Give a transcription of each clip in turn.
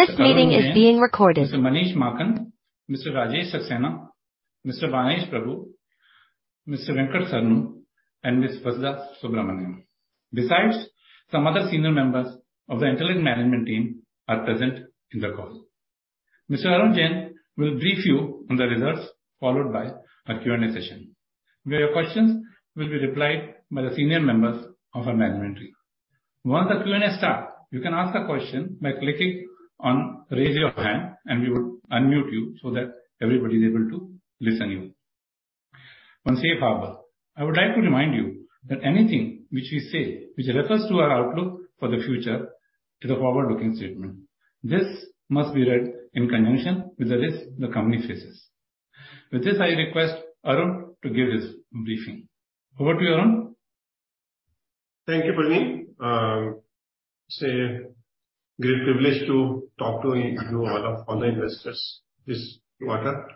Mr. Manish Maakan, Mr. Rajesh Saxena, Mr. Banesh Prabhu, Mr. Venkat Saranu, and Ms. Vasudha Subramaniam. Besides, some other senior members of the Intellect management team are present in the call. Mr. Arun Jain will brief you on the results, followed by a Q&A session, where your questions will be replied by the senior members of our management team. Once the Q&A start, you can ask the question by clicking on Raise Your Hand, and we will unmute you so that everybody is able to listen you. Once you harbor, I would like to remind you that anything which we say, which refers to our outlook for the future, is a forward-looking statement. This must be read in conjunction with the risk the company faces. With this, I request Arun to give his briefing. Over to you, Arun. Thank you, Pradeep. Great privilege to talk to you, all of, all the investors this quarter.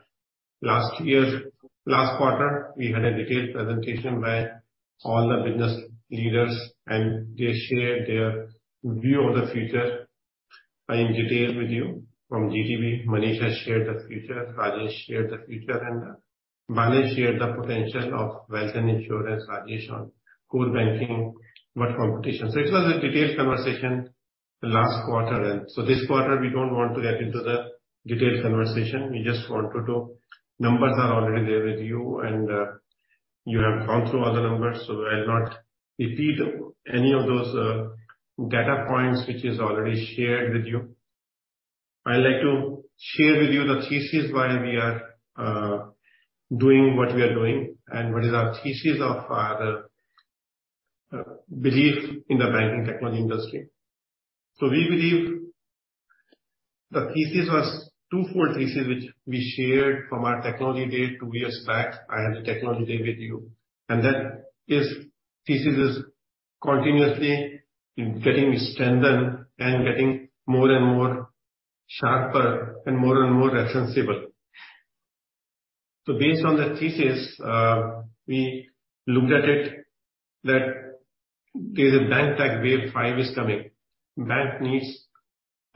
Last year, last quarter, we had a detailed presentation by all the business leaders, they shared their view of the future in detail with you. From GCB, Manish has shared the future, Rajesh shared the future, Banesh shared the potential of wealth and insurance, Rajesh on core banking, what competition. It was a detailed conversation the last quarter, this quarter, we don't want to get into the detailed conversation. We just want to do... Numbers are already there with you, you have gone through all the numbers, I'll not repeat any of those data points, which is already shared with you. I'd like to share with you the thesis why we are doing what we are doing and what is our thesis of the belief in the banking technology industry. We believe the thesis was twofold thesis, which we shared from our technology day, 2 years back, I had a technology day with you, and that is, thesis is continuously getting strengthened and getting more and more sharper and more and more sensible. Based on the thesis, we looked at it that there's a BankTech Wave 5 is coming. Bank needs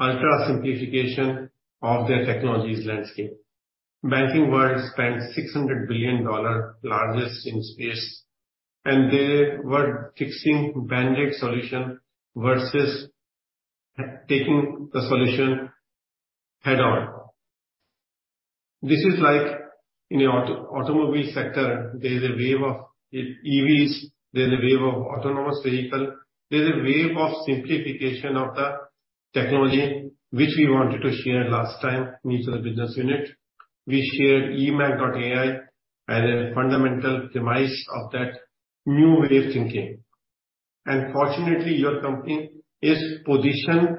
ultra-simplification of their technologies landscape. Banking world spends $600 billion, largest in space, and they were fixing bandaid solution versus taking the solution head-on. This is like in a auto, automobile sector, there's a wave of EVs, there's a wave of autonomous vehicle. There's a wave of simplification of the technology, which we wanted to share last time with the business unit. We shared eMACH.ai as a fundamental demise of that new wave thinking. Fortunately, your company is positioned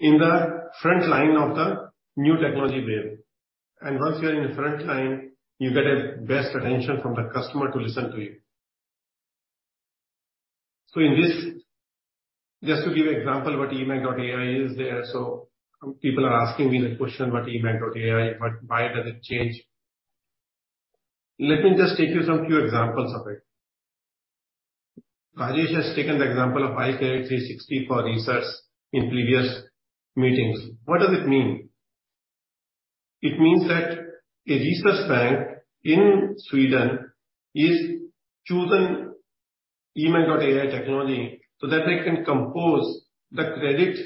in the front line of the new technology wave. Once you are in the front line, you get a best attention from the customer to listen to you. In this, just to give you example, what eMACH.ai is there, so people are asking me the question, what eMACH.ai, what, why does it change? Let me just take you some few examples of it. Rajesh has taken the example of iKredit360 for research in previous meetings. What does it mean? It means that a Resurs Bank in Sweden is chosen eMACH.ai technology, so that they can compose the credit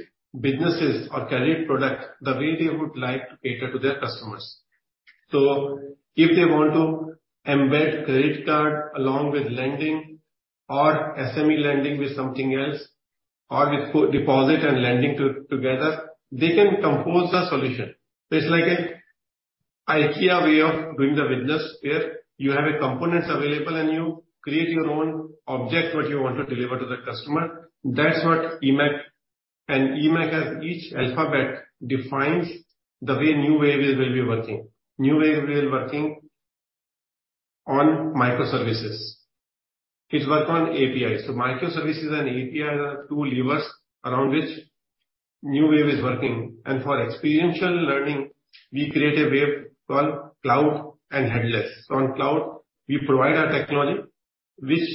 businesses or credit product, the way they would like to cater to their customers. If they want to embed credit card along with lending or SME lending with something else, or with deposit and lending together, they can compose a solution. It's like a IKEA way of doing the business, where you have a components available, and you create your own object, what you want to deliver to the customer. That's what. eMACH, as each alphabet defines the way new wave will be working. New wave will working on microservices. It work on APIs. Microservices and API are two levers around which new wave is working, and for experiential learning, we create a wave called cloud and headless. On cloud, we provide our technology, which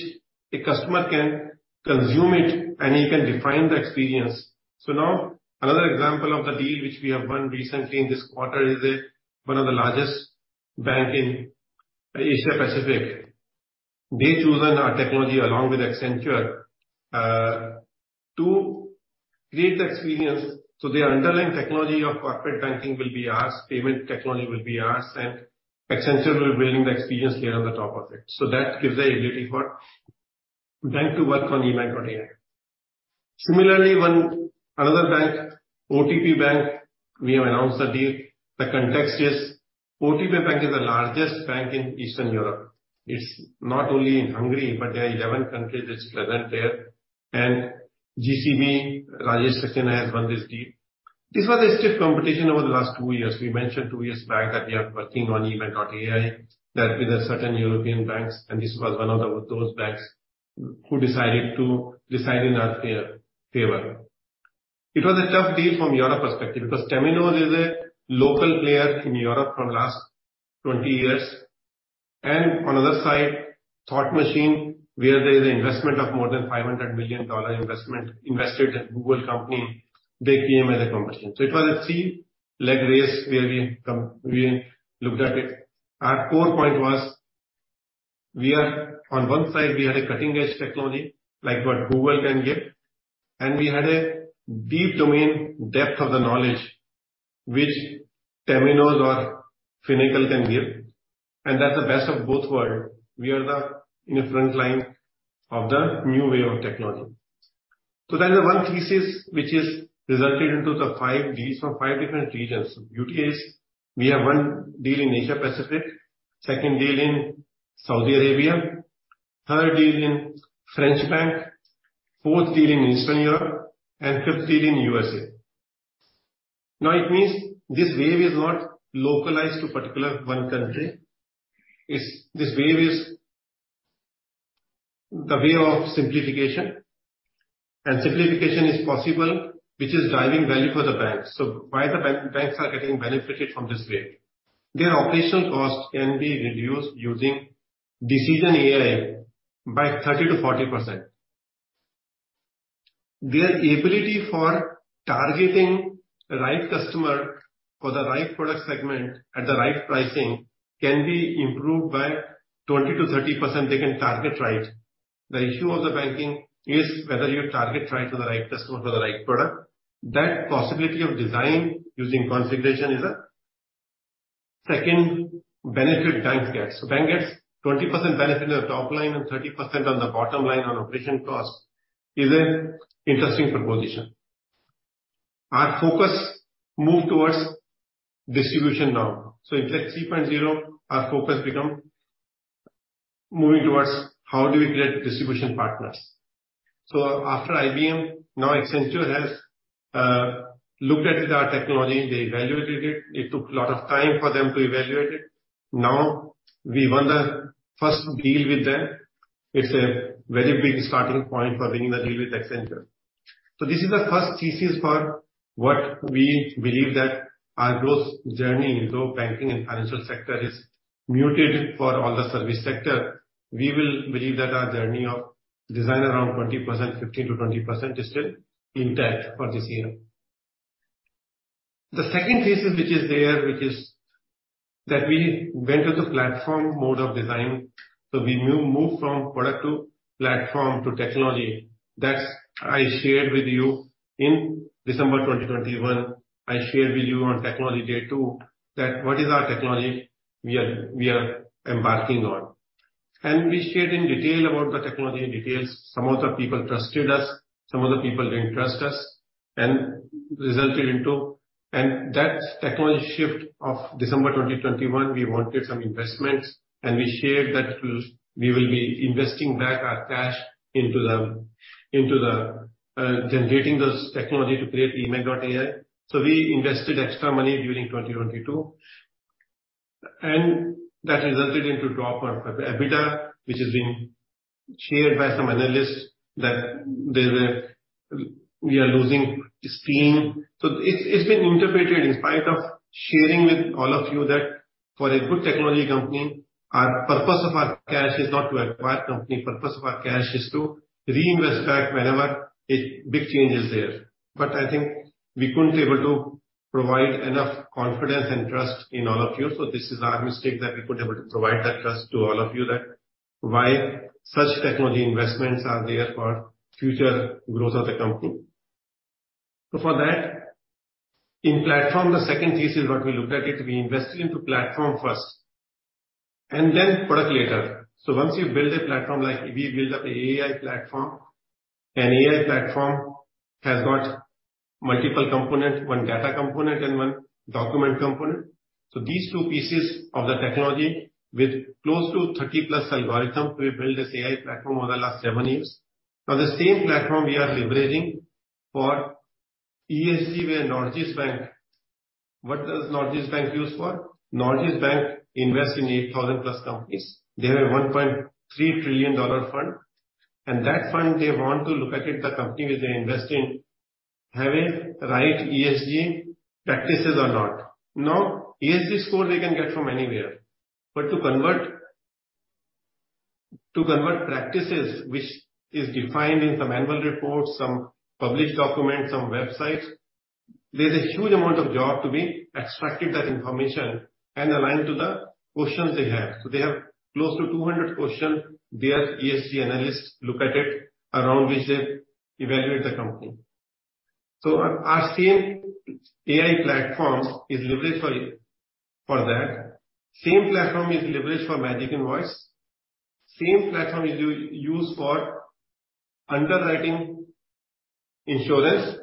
a customer can consume it, and he can define the experience. Now, another example of the deal which we have done recently in this quarter, is a one of the largest bank in Asia Pacific. They've chosen our technology along with Accenture to create the experience. Their underlying technology of corporate banking will be us, payment technology will be us, and Accenture will be building the experience layer on the top of it. That gives a ability for bank to work on eMACH.ai. Similarly, one, another bank, OTP Bank, we have announced the deal. The context is OTP Bank is the largest bank in Eastern Europe. It's not only in Hungary, but there are 11 countries it's present there, and GCB, Rajesh Saxena, has won this deal. This was a stiff competition over the last 2 years. We mentioned two years back that we are working on eMACH.ai, that with a certain European banks, this was one of those banks who decided to decide in our favor. It was a tough deal from Europe perspective, because Temenos is a local player in Europe for last 20 years. On other side, Thought Machine, where there is investment of more than $500 million investment invested in Google, they came as a competition. It was a three-leg race where we looked at it. Our core point was, on one side, we had a cutting-edge technology, like what Google can give, and we had a deep domain depth of the knowledge which Temenos or Finacle can give. That's the best of both world. We are in the front line of the new way of technology. That is the 1 thesis which is resulted into the 5 deals from 5 different regions. Beauty is, we have 1 deal in Asia Pacific, second deal in Saudi Arabia, third deal in French bank, fourth deal in Eastern Europe, and fifth deal in USA. It means this wave is not localized to particular 1 country. It's, this wave is the way of simplification, and simplification is possible, which is driving value for the banks. Why the banks are getting benefited from this wave? Their operational costs can be reduced using Decision AI by 30%-40%. Their ability for targeting the right customer for the right product segment at the right pricing can be improved by 20%-30%. They can target right. The issue of the banking is whether you target right to the right customer for the right product. That possibility of design using configuration is a second benefit banks get. Bank gets 20% benefit on the top line and 30% on the bottom line on operation cost, is an interesting proposition. Our focus moved towards distribution now. In Intellect 3.0, our focus become moving towards how do we get distribution partners? After IBM, now Accenture has looked at our technology, they evaluated it. It took a lot of time for them to evaluate it. Now, we won the first deal with them. It's a very big starting point for winning the deal with Accenture. This is the first thesis for what we believe that our growth journey, though banking and financial sector, is muted for all the service sector, we will believe that our journey of design around 20%, 15%-20%, is still intact for this year. The second thesis which is there, which is that we went to the platform mode of design. We moved from product to platform to technology. That I shared with you in December 2021. I shared with you on Technology Day, too, that what is our technology we are embarking on? We shared in detail about the technology in detail. Some of the people trusted us, some of the people didn't trust us, resulted into... That technology shift of December 2021, we wanted some investments, we shared that we will be investing back our cash into generating this technology to create eMACH.ai. We invested extra money during 2022, and that resulted into drop of our EBITDA, which has been shared by some analysts, that we are losing steam. It's, it's been interpreted in spite of sharing with all of you that for a good technology company, our purpose of our cash is not to acquire company. Purpose of our cash is to reinvest back whenever a big change is there. I think we couldn't able to provide enough confidence and trust in all of you. This is our mistake, that we couldn't able to provide that trust to all of you, that why such technology investments are there for future growth of the company. For that, in platform, the second thesis, what we looked at it, we invested into platform first and then product later. Once you build a platform, like we build up a AI platform, and AI platform has got multiple components, one data component and one document component. These two pieces of the technology with close to 30-plus algorithms, we built this AI platform over the last seven years. The same platform we are leveraging for ESG, where Nordea Bank. What does Nordea Bank use for? Nordea Bank invest in 8,000-plus companies. They have a $1.3 trillion fund, and that fund, they want to look at it, the company which they invest in, having right ESG practices or not. ESG score they can get from anywhere, but to convert, to convert practices which is defined in some annual reports, some published documents, some websites, there's a huge amount of job to be extracted that information and aligned to the questions they have. They have close to 200 questions, their ESG analysts look at it, around which they evaluate the company. Our same AI platforms is leveraged for that. Same platform is leveraged for Magic Invoice. Same platform is used for underwriting insurance,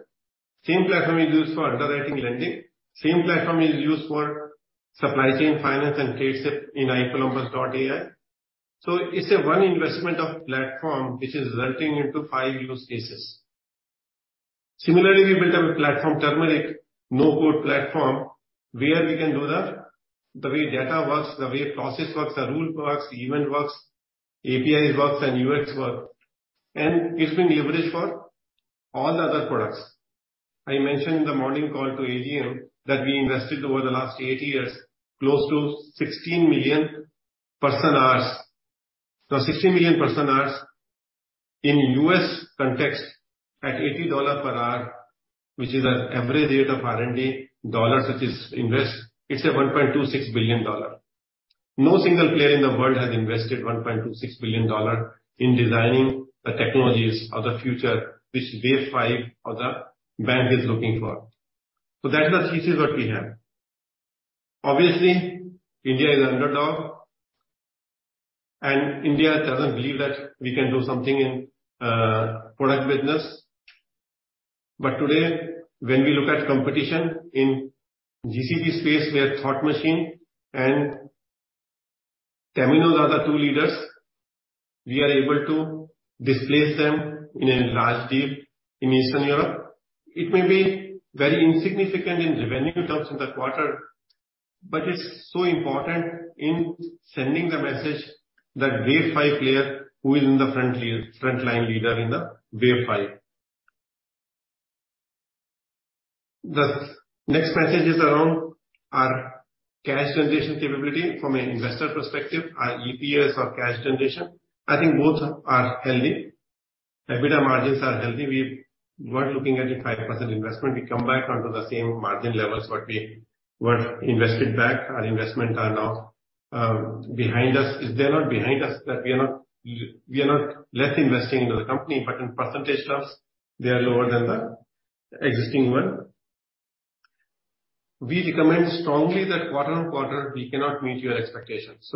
same platform is used for underwriting lending, same platform is used for supply chain finance and trade finance in iColumbus.ai. It's a 1 investment of platform which is resulting into 5 use cases. Similarly, we built up a platform, iTurmeric, no-code platform, where we can do the way data works, the way process works, the rule works, event works, APIs works, and UX work, and it's been leveraged for all the other products. I mentioned in the morning call to AGM that we invested over the last 8 years, close to 16 million person-hours. 16 million person-hours in U.S. context, at $80 per hour, which is an average rate of R&D dollars, which is invest, it's a $1.26 billion. No single player in the world has invested $1.26 billion in designing the technologies of the future, which Wave 5 or the bank is looking for. That is the thesis what we have. Obviously, India is underdog, and India doesn't believe that we can do something in product business. Today, when we look at competition in GCB space, where Thought Machine and Temenos are the two leaders, we are able to displace them in a large deal in Eastern Europe. It may be very insignificant in revenue terms in the quarter, it's so important in sending the message that Wave 5 player, who is in the frontline leader in the Wave 5. The next message is around our cash generation capability from an investor perspective, our EPS or cash generation, I think both are healthy. EBITDA margins are healthy. We were looking at a 5% investment. We come back onto the same margin levels what we were invested back. Our investment are now behind us. They're not behind us, that we are not less investing into the company, in percentage terms, they are lower than the existing one. We recommend strongly that quarter on quarter, we cannot meet your expectations.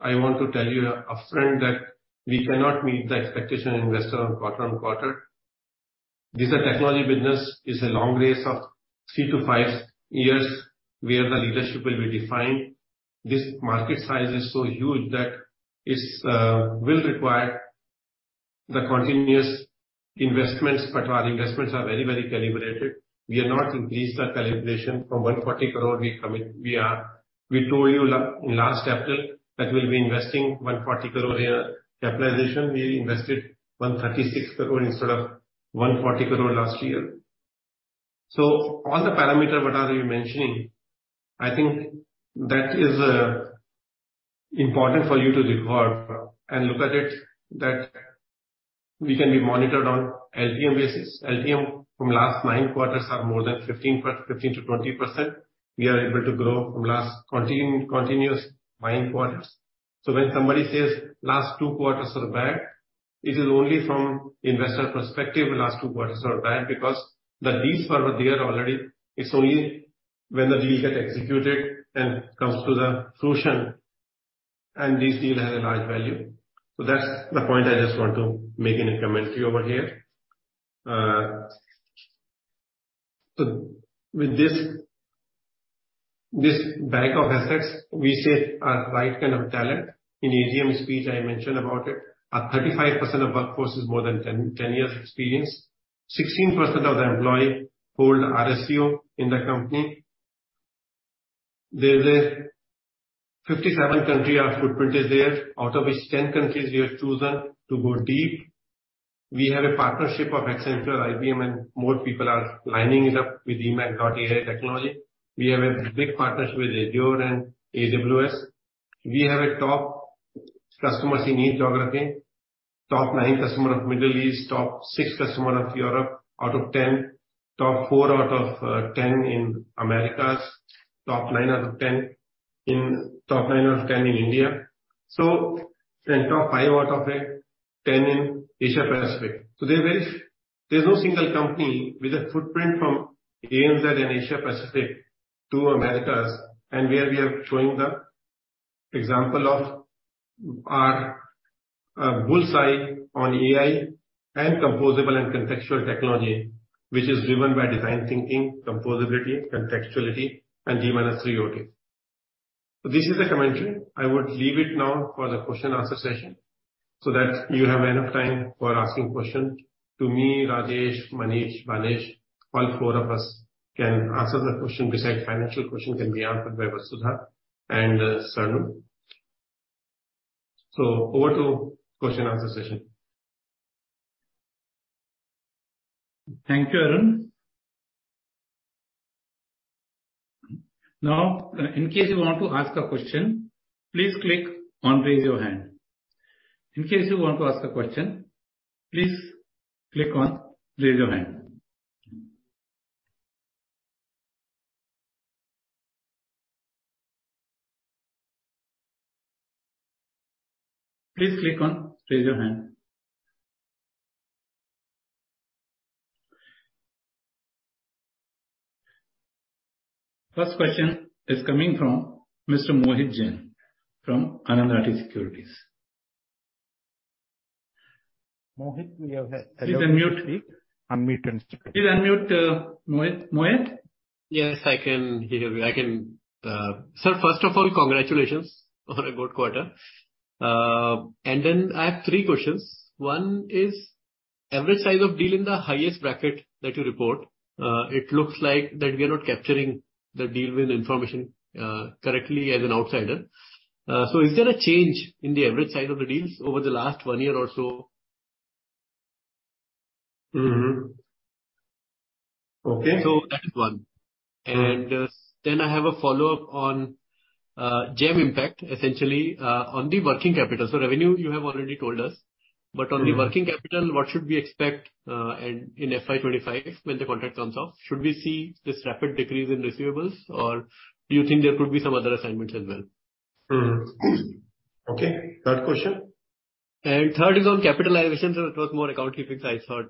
I want to tell you upfront that we cannot meet the expectation investor on quarter on quarter. This is a technology business, it's a long race of 3-5 years, where the leadership will be defined. This market size is so huge that it's will require the continuous investments, but our investments are very, very calibrated. We have not increased our calibration from 140 crore, we commit. We told you last capital, that we'll be investing 140 crore in a capitalization. We invested 136 crore instead of 140 crore last year. All the parameter what are you mentioning, I think that is important for you to record and look at it, that we can be monitored on LTM basis. LTM from last nine quarters are more than 15%-20%. We are able to grow from last continuous nine quarters. When somebody says last two quarters are bad, it is only from investor perspective, the last two quarters are bad because the deals were there already. It's only when the deal get executed and comes to the solution, and this deal has a large value. That's the point I just want to make in a commentary over here. With this, this bank of assets, we save right kind of talent. In AGM speech, I mentioned about it. 35% of workforce is more than 10, 10 years experience. 16% of the employee hold RSU in the company. There, 57 country our footprint is there, out of which 10 countries we have chosen to go deep. We have a partnership of Accenture, IBM, and more people are lining it up with eMACH.ai technology. We have a big partnership with Azure and AWS. We have a top customers in each geography. Top 9 customer of Middle East, top 6 customer of Europe out of 10, top 4 out of 10 in Americas, top 9 out of 10 in India. top 5 out of 10 in Asia Pacific. There's no single company with a footprint from ANZ and Asia Pacific to Americas, and where we are showing the example of our bullseye on AI and composable and contextual technology, which is driven by design thinking, composability, contextuality, and D minus 3 OT. This is a commentary. I would leave it now for the question and answer session, so that you have enough time for asking question to me, Rajesh, Manish, Banesh. All four of us can answer the question, besides financial question can be answered by Vasudha and Saru. Over to question and answer session. Thank you, Arun. Now, in case you want to ask a question, please click on Raise Your Hand. In case you want to ask a question, please click on Raise Your Hand. Please click on Raise Your Hand. First question is coming from Mr. Mohit Jain from Anand Rathi Securities. Mohit, Please unmute. Unmute himself. Please unmute, Mohit, Mohit? Yes, I can hear you. I can... Sir, first of all, congratulations on a good quarter. Then I have three questions. One is, average size of deal in the highest bracket that you report, it looks like that we are not capturing-... that deal with information, correctly as an outsider. Is there a change in the average size of the deals over the last one year or so? Mm-hmm. Okay. That is one. Then I have a follow-up on GEM impact, essentially, on the working capital. Revenue you have already told us. On the working capital, what should we expect, in, in FY 2025, when the contract comes off? Should we see this rapid decrease in receivables, or do you think there could be some other assignments as well? Mm-hmm. Okay, third question. Third is on capitalization, so it was more accounting things I thought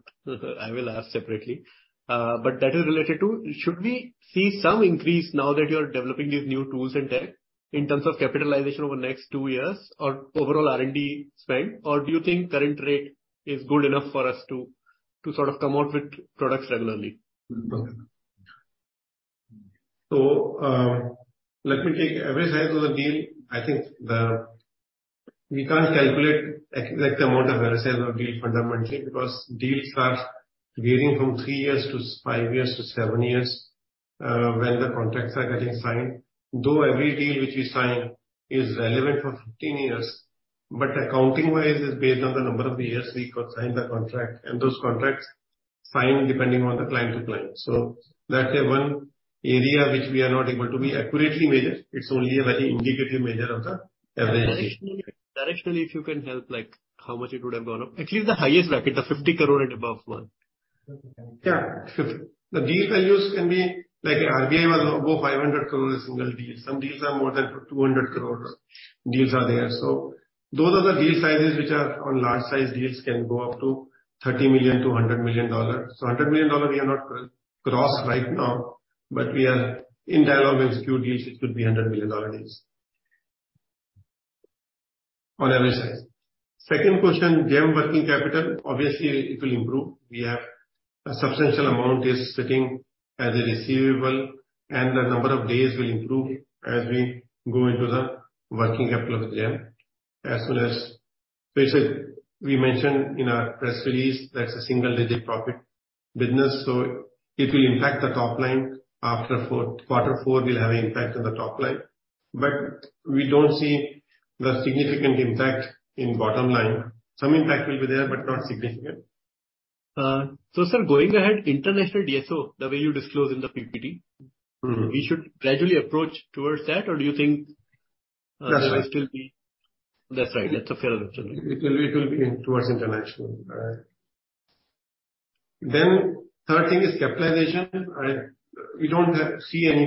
I will ask separately. That is related to, should we see some increase now that you're developing these new tools and tech, in terms of capitalization over the next 2 years or overall R&D spend? Do you think current rate is good enough for us to sort of come out with products regularly? Let me take average size of the deal. I think the. We can't calculate like, the amount of average sales of deal fundamentally, because deals are varying from 3 years to 5 years to 7 years, when the contracts are getting signed. Though every deal which we sign is relevant for 15 years, but accounting-wise, it's based on the number of years we co-sign the contract, and those contracts sign depending on the client to client. That's one area which we are not able to be accurately measure. It's only a very indicatively measure of the average deal. Directionally, directionally, if you can help, like, how much it would have gone up? At least the highest bracket, the 50 crore and above one. Yeah. The deal values can be like RBI was above 500 crore, a single deal. Some deals are more than 200 crore, deals are there. Those are the deal sizes which are on large size deals can go up to $30 million-$100 million. Hundred million dollars we are not cross right now, but we are in dialogue with few deals which could be $100 million deals. On average size. Second question, GEM working capital, obviously it will improve. We have a substantial amount is sitting as a receivable, and the number of days will improve as we go into the working capital of GEM. As well as, basically, we mentioned in our press release, that's a single digit profit business, so it will impact the top line after four, quarter four will have an impact on the top line. We don't see the significant impact in bottom line. Some impact will be there, but not significant. Sir, going ahead, international DSO, the way you disclose in the PPT. we should gradually approach towards that, or do you think? That's right. there will still be... That's right. That's a fair assumption. It will, it will be towards international. Third thing is capitalization. I, we don't have- see any,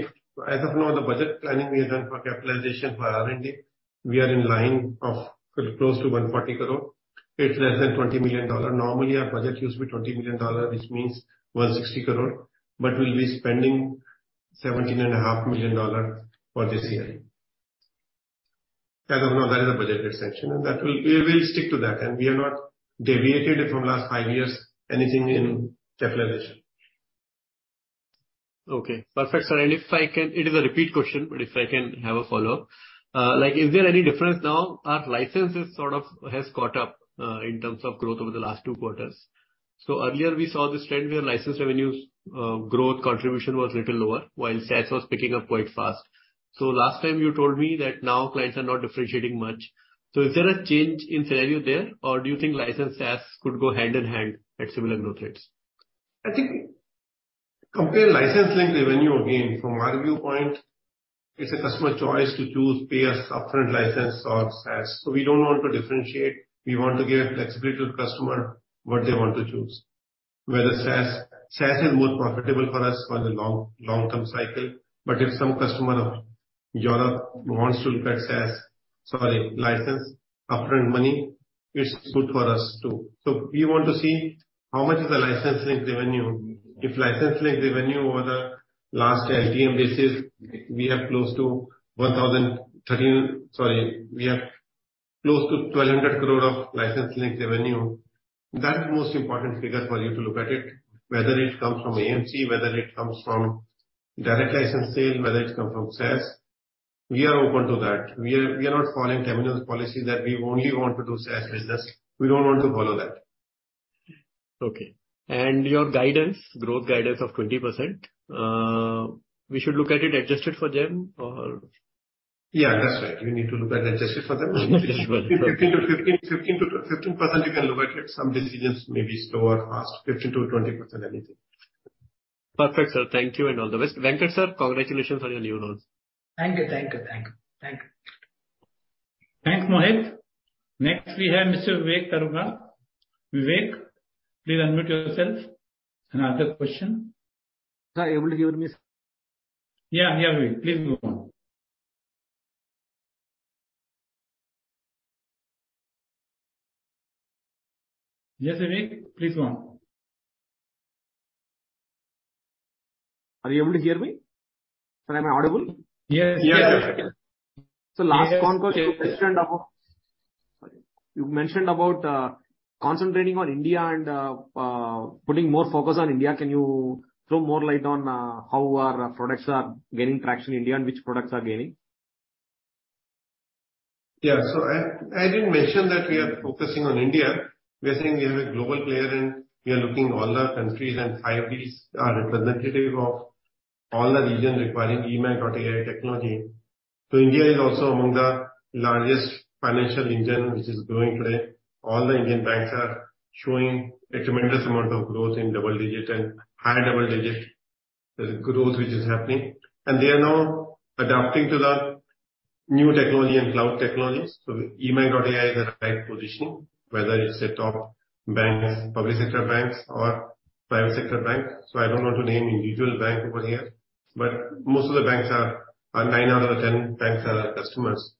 as of now, the budget planning we have done for capitalization for R&D, we are in line of close to 140 crore. It's less than $20 million. Normally, our budget used to be $20 million, which means 160 crore, but we'll be spending $17.5 million for this year. As of now, that is our budgeted section. We will stick to that. We have not deviated it from last 5 years, anything in capitalization. Okay. Perfect, sir. If I can, it is a repeat question, but if I can have a follow-up. Like, is there any difference now? Our licenses sort of has caught up, in terms of growth over the last 2 quarters. Earlier we saw this trend where license revenues, growth contribution was little lower, while SaaS was picking up quite fast. Last time you told me that now clients are not differentiating much. Is there a change in scenario there, or do you think license SaaS could go hand in hand at similar growth rates? I think compare license link revenue again, from our viewpoint, it's a customer choice to choose pay a upfront license or SaaS. We don't want to differentiate. We want to give flexibility to the customer, what they want to choose. Whether SaaS, SaaS is more profitable for us for the long, long-term cycle, but if some customer of Europe wants to look at SaaS, sorry, license, upfront money, it's good for us, too. We want to see how much is the license link revenue. If license link revenue over the last LTM basis, we have close to 1,013 crore, sorry, we have close to 1,200 crore of license link revenue. That is the most important figure for you to look at it, whether it comes from AMC, whether it comes from direct license sale, whether it comes from SaaS, we are open to that. We are, we are not following terminal policy that we only want to do SaaS business. We don't want to follow that. Okay. Your guidance, growth guidance of 20%, we should look at it adjusted for GEM or? Yeah, that's right. We need to look at adjusted for GEM. Adjusted for- 15%-15%, 15 to, 15% you can look at it. Some decisions may be slow or fast. 15%-20%, anything. Perfect, sir. Thank you and all the best. Venkat, sir, congratulations on your new role. Thank you. Thank you. Thank you. Thank you. Thanks, Mohit. Next, we have Mr. Vivek Choraria. Vivek, please unmute yourself and ask your question. Sir, able to hear me, sir? Yeah, yeah, Vivek. Please go on. Yes, Vivek, please go on. Are you able to hear me? Am I audible? Yes. Yes. Last con call. Yes. You mentioned about, concentrating on India and, putting more focus on India. Can you throw more light on, how our products are gaining traction in India, and which products are gaining?... Yeah, so I, I didn't mention that we are focusing on India. We are saying we are a global player, and we are looking all the countries, and 5Gs are representative of all the region requiring eMACH.ai technology. India is also among the largest financial engine which is growing today. All the Indian banks are showing a tremendous amount of growth in double-digit and high double-digit. There's growth which is happening, and they are now adapting to the new technology and cloud technologies. The eMACH.ai is the right positioning, whether it's a top banks, public sector banks or private sector banks. I don't want to name individual bank over here, but most of the banks are nine out of the 10 banks are our customers,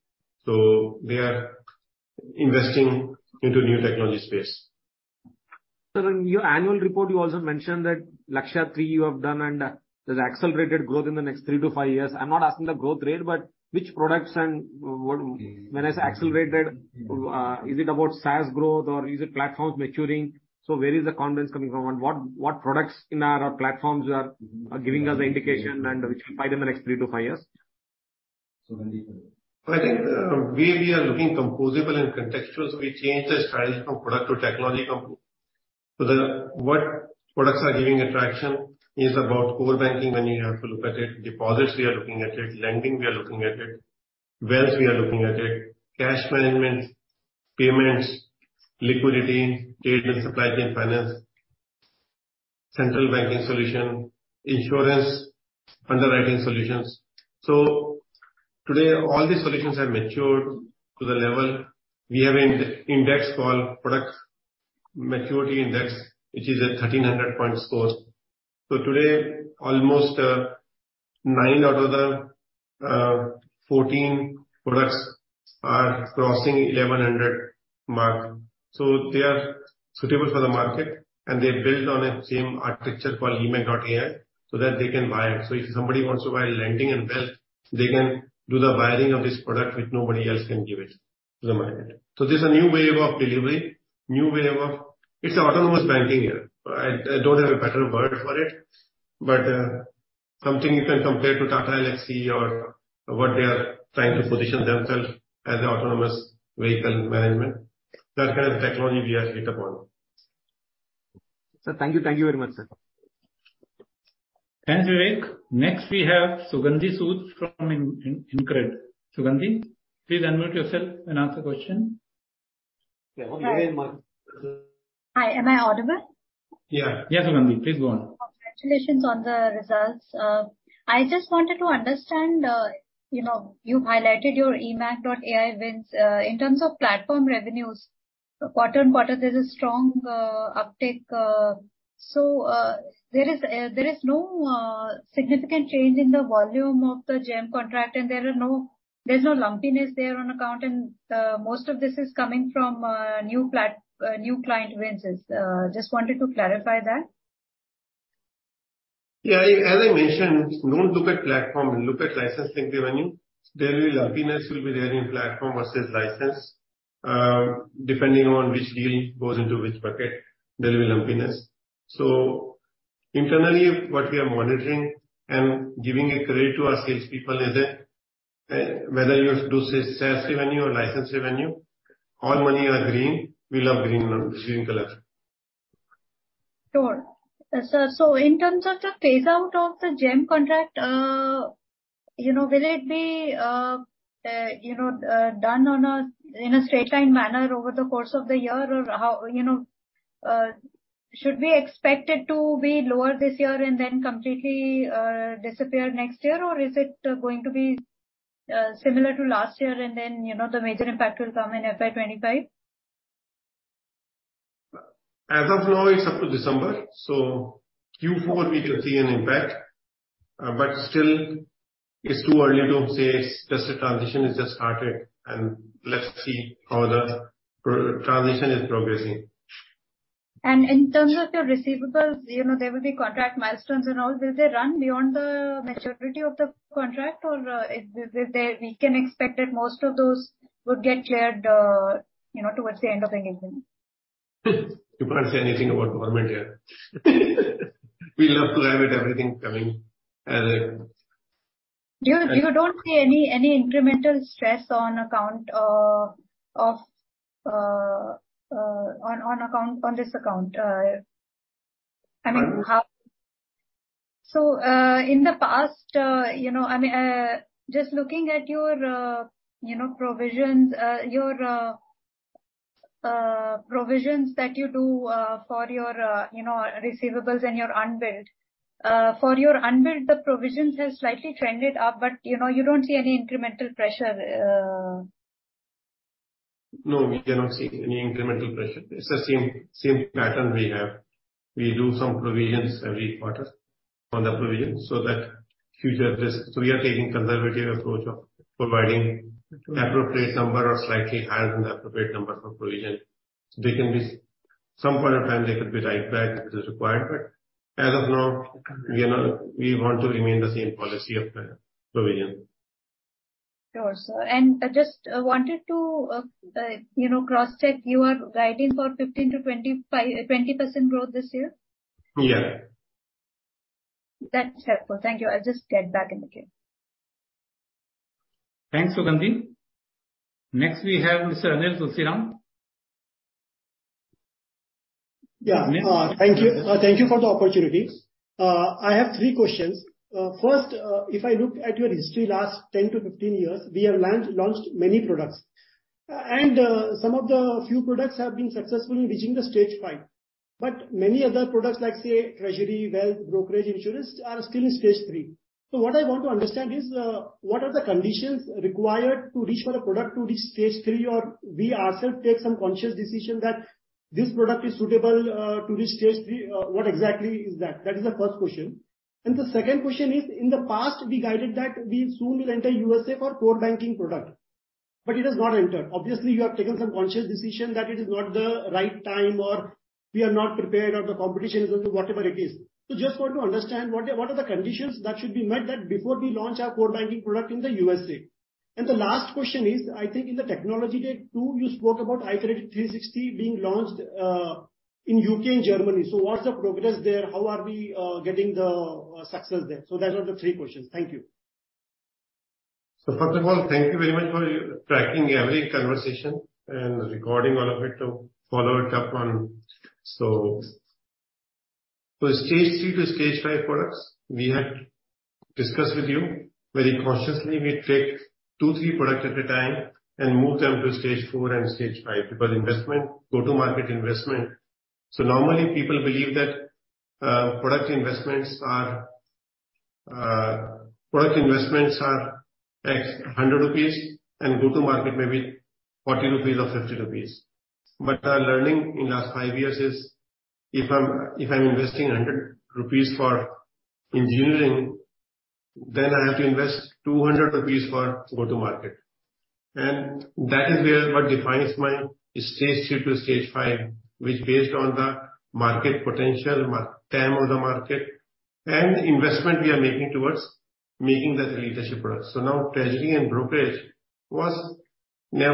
so they are investing into new technology space. Sir, in your annual report, you also mentioned that Lakshya 3 you have done and there's accelerated growth in the next 3-5 years. I'm not asking the growth rate, but which products and what, when I say accelerated, is it about SaaS growth or is it platforms maturing? Where is the confidence coming from, and what, what products in our platforms are, are giving us the indication and which we can find in the next 3-5 years? I think, we, we are looking composable and contextual, so we change the style from product to technology company. The, what products are giving attraction is about core banking when you have to look at it. Deposits, we are looking at it. Lending, we are looking at it. Wealth, we are looking at it. Cash management, payments, liquidity, trade and supply chain finance, central banking solution, insurance, underwriting solutions. Today, all these solutions have matured to the level we have in index called Product Maturity Index, which is at 1,300 point scores. Today, almost, 9 out of the 14 products are crossing 1,100 mark. They are suitable for the market, and they build on the same architecture called eMACH.ai, so that they can buy it. If somebody wants to buy lending and wealth, they can do the buying of this product, which nobody else can give it to the market. This is a new wave of delivery, new wave of... It's autonomous banking here. I, I don't have a better word for it, but, something you can compare to TATA Elxsi or what they are trying to position themselves as autonomous vehicle management. That kind of technology we are built upon. Sir, thank you. Thank you very much, sir. Thank you, Vivek. Next, we have Sugandhi Sud from InCred. Sugandhi, please unmute yourself and ask the question. Yeah, on your mic- Hi. Hi, am I audible? Yeah. Yes, Sugandhi, please go on. Congratulations on the results. I just wanted to understand, you know, you highlighted your eMACH.ai wins in terms of platform revenues. Quarter-over-quarter, there's a strong uptick. There is no significant change in the volume of the GEM contract, and there's no lumpiness there on account, and most of this is coming from new client wins. Just wanted to clarify that. As I mentioned, don't look at platform, look at licensing revenue. There will be lumpiness will be there in platform versus license. Depending on which deal goes into which bucket, there will be lumpiness. Internally, what we are monitoring and giving a credit to our salespeople is that, whether you have to do sales revenue or license revenue, all money are green. We love green, green color. Sure. In terms of the phase out of the GEM contract, you know, will it be, you know, done on a, in a straight line manner over the course of the year? How, you know, should we expect it to be lower this year and then completely disappear next year? Is it going to be similar to last year, and then, you know, the major impact will come in FY 2025? As of now, it's up to December, so Q4, we could see an impact. Still, it's too early to say, just the transition has just started, and let's see how the transition is progressing. In terms of the receivables, you know, there will be contract milestones and all. Will they run beyond the maturity of the contract, or, is there we can expect that most of those would get cleared, you know, towards the end of the engagement? You can't say anything about government here. We love to have it, everything coming as. Do you, you don't see any, any incremental stress on account, of, on, on account, on this account? I mean, In the past, you know, I mean, just looking at your, you know, provisions, your provisions that you do, for your, you know, receivables and your unbilled. For your unbilled, the provisions has slightly trended up, but, you know, you don't see any incremental pressure... No, we cannot see any incremental pressure. It's the same, same pattern we have. We do some provisions every quarter on the provision, so that future risks. We are taking conservative approach of providing- appropriate number or slightly higher than the appropriate number for provision. They can be, some point in time, they could be right back as required, but as of now, we are not... We want to remain the same policy of provision. Sure, sir. I just wanted to, you know, cross-check. You are guiding for 15%-20% growth this year? Yeah. That's helpful. Thank you. I'll just get back in the queue. Thanks, Sugandhi. Next, we have Mr. Anil Sarin. Thank you. Thank you for the opportunity. I have three questions. First, if I look at your history last 10-15 years, we have launched many products, and some of the few products have been successful in reaching stage 5. Many other products, like, say, treasury, wealth, brokerage, insurance, are still in stage 3. What I want to understand is, what are the conditions required to reach for a product to reach stage 3, or we ourself take some conscious decision that this product is suitable to reach stage 3? What exactly is that? That is the first question. The second question is: in the past, we guided that we soon will enter USA for core banking product, but it has not entered. Obviously, you have taken some conscious decision that it is not the right time, or we are not prepared, or the competition is, or whatever it is. Just want to understand, what are, what are the conditions that should be met that before we launch our core banking product in the USA? The last question is, I think in the Technology Day, too, you spoke about iKredit360 being launched in UK and Germany. What's the progress there? How are we getting the success there? Those are the three questions. Thank you. First of all, thank you very much for your tracking every conversation and recording all of it to follow it up on. For stage 3 to stage 5 products, we had discussed with you, very consciously we take 2, 3 products at a time and move them to stage 4 and stage 5, because investment, go-to-market investment. Normally people believe that product investments are product investments are 100 rupees and go-to-market may be 40 rupees or 50 rupees. Our learning in last 5 years is if I'm, if I'm investing 100 rupees for engineering, then I have to invest 200 rupees for go-to-market. That is where what defines my stage 2 to stage 5, which based on the market potential, time on the market and investment we are making towards making that a leadership product. Now, treasury and brokerage was now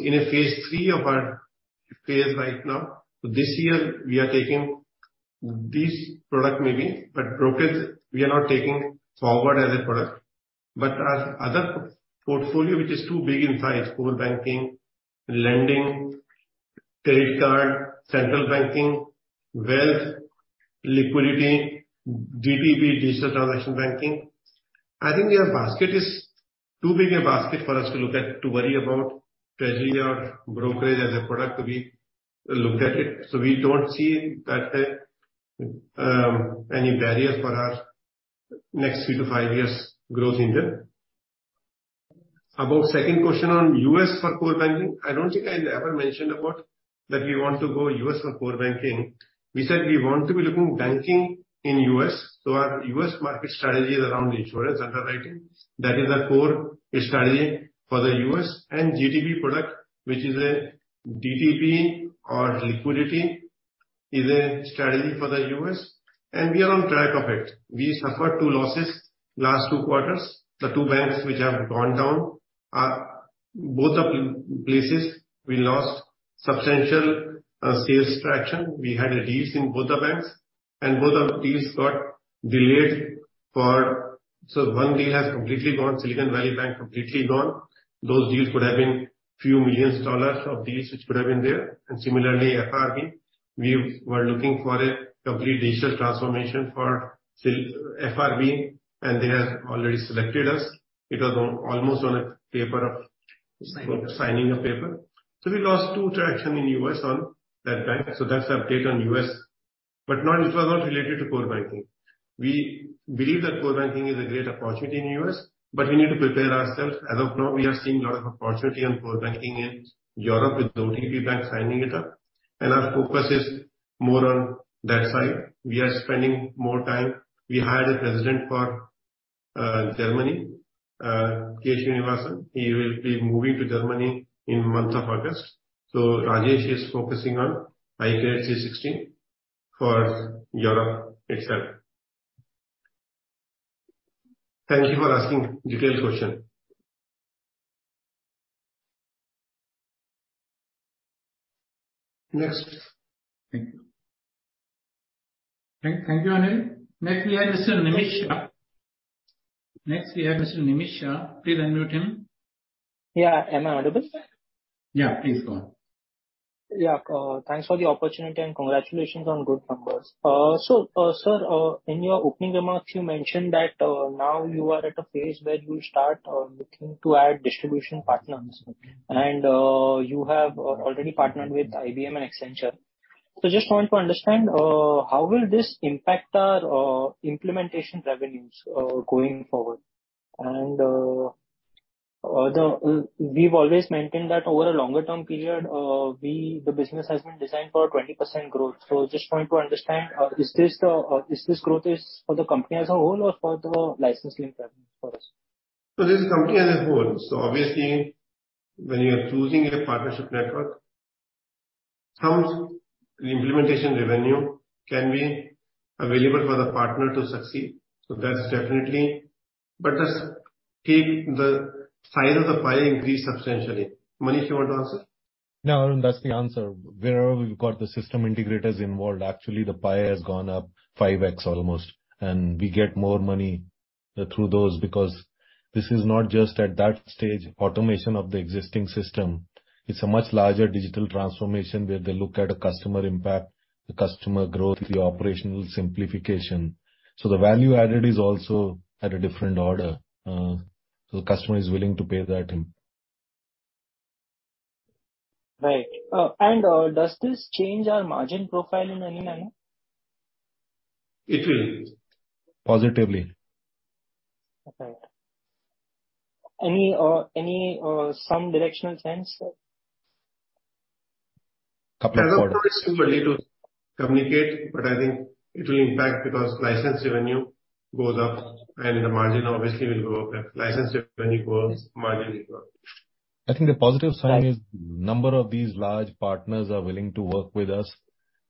in a phase three of our phase right now. This year we are taking this product maybe, but brokerage we are not taking forward as a product, but our other portfolio, which is too big in size, core banking, lending, trade card, central banking, wealth, liquidity, DTB, digital transaction banking. I think our basket is too big a basket for us to look at, to worry about treasury or brokerage as a product. We looked at it. We don't see that there any barrier for our next three to five years growth in there. About second question on U.S. for core banking, I don't think I ever mentioned about that we want to go U.S. for core banking. We said we want to be looking banking in U.S. Our U.S. market strategy is around insurance underwriting. That is our core strategy for the US and GTB product, which is a DTB or liquidity, is a strategy for the US. We are on track of it. We suffered 2 losses last 2 quarters. The 2 banks which have gone down are... both of places we lost substantial sales traction. We had deals in both the banks. Both of these got delayed for... 1 deal has completely gone, Silicon Valley Bank, completely gone. Those deals would have been few millions U.S. dollars of deals which could have been there. Similarly, FRB, we were looking for a complete digital transformation for FRB. They have already selected us. It was on, almost on a paper. -signing a paper. We lost two traction in U.S. on that bank. That's the update on U.S., but not, it was not related to core banking. We believe that core banking is a great opportunity in U.S., but we need to prepare ourselves. As of now, we are seeing a lot of opportunity on core banking in Europe with OTP Bank signing it up, and our focus is more on that side. We are spending more time. We hired a president for Germany, Keith Pearson. He will be moving to Germany in month of August. Rajesh is focusing on iKredit360 for Europe itself. Thank you for asking detailed question. Thank you. Thank you, Anil. Next, we have Mr. Nimish Shah. Next, we have Mr. Nimish Shah. Please unmute him. Yeah. Am I audible, sir? Yeah, please go on. Yeah. Thanks for the opportunity, and congratulations on good numbers. Sir, in your opening remarks, you mentioned that now you are at a phase where you start looking to add distribution partners, and you have already partnered with IBM and Accenture. Just want to understand, how will this impact our implementation revenues going forward? The, we've always maintained that over a longer term period, we, the business has been designed for 20% growth. Just want to understand, is this, is this growth is for the company as a whole or for the licensing revenue for us? This is company as a whole. Obviously, when you are choosing a partnership network, some implementation revenue can be available for the partner to succeed. That's definitely... Let's keep the size of the pie increase substantially. Manish, you want to answer? No, Arun, that's the answer. Wherever we've got the system integrators involved, actually, the pie has gone up 5x almost, and we get more money through those, because this is not just at that stage automation of the existing system, it's a much larger digital transformation where they look at a customer impact, the customer growth, the operational simplification. The value added is also at a different order, so the customer is willing to pay that in. Right. Does this change our margin profile in any manner? It will. Positively. Okay. Any, any, some directional sense, sir? I don't know if it's early to communicate, but I think it will impact because license revenue goes up and the margin obviously will go up. As license revenue goes, margin will go up. I think the positive sign is, number of these large partners are willing to work with us,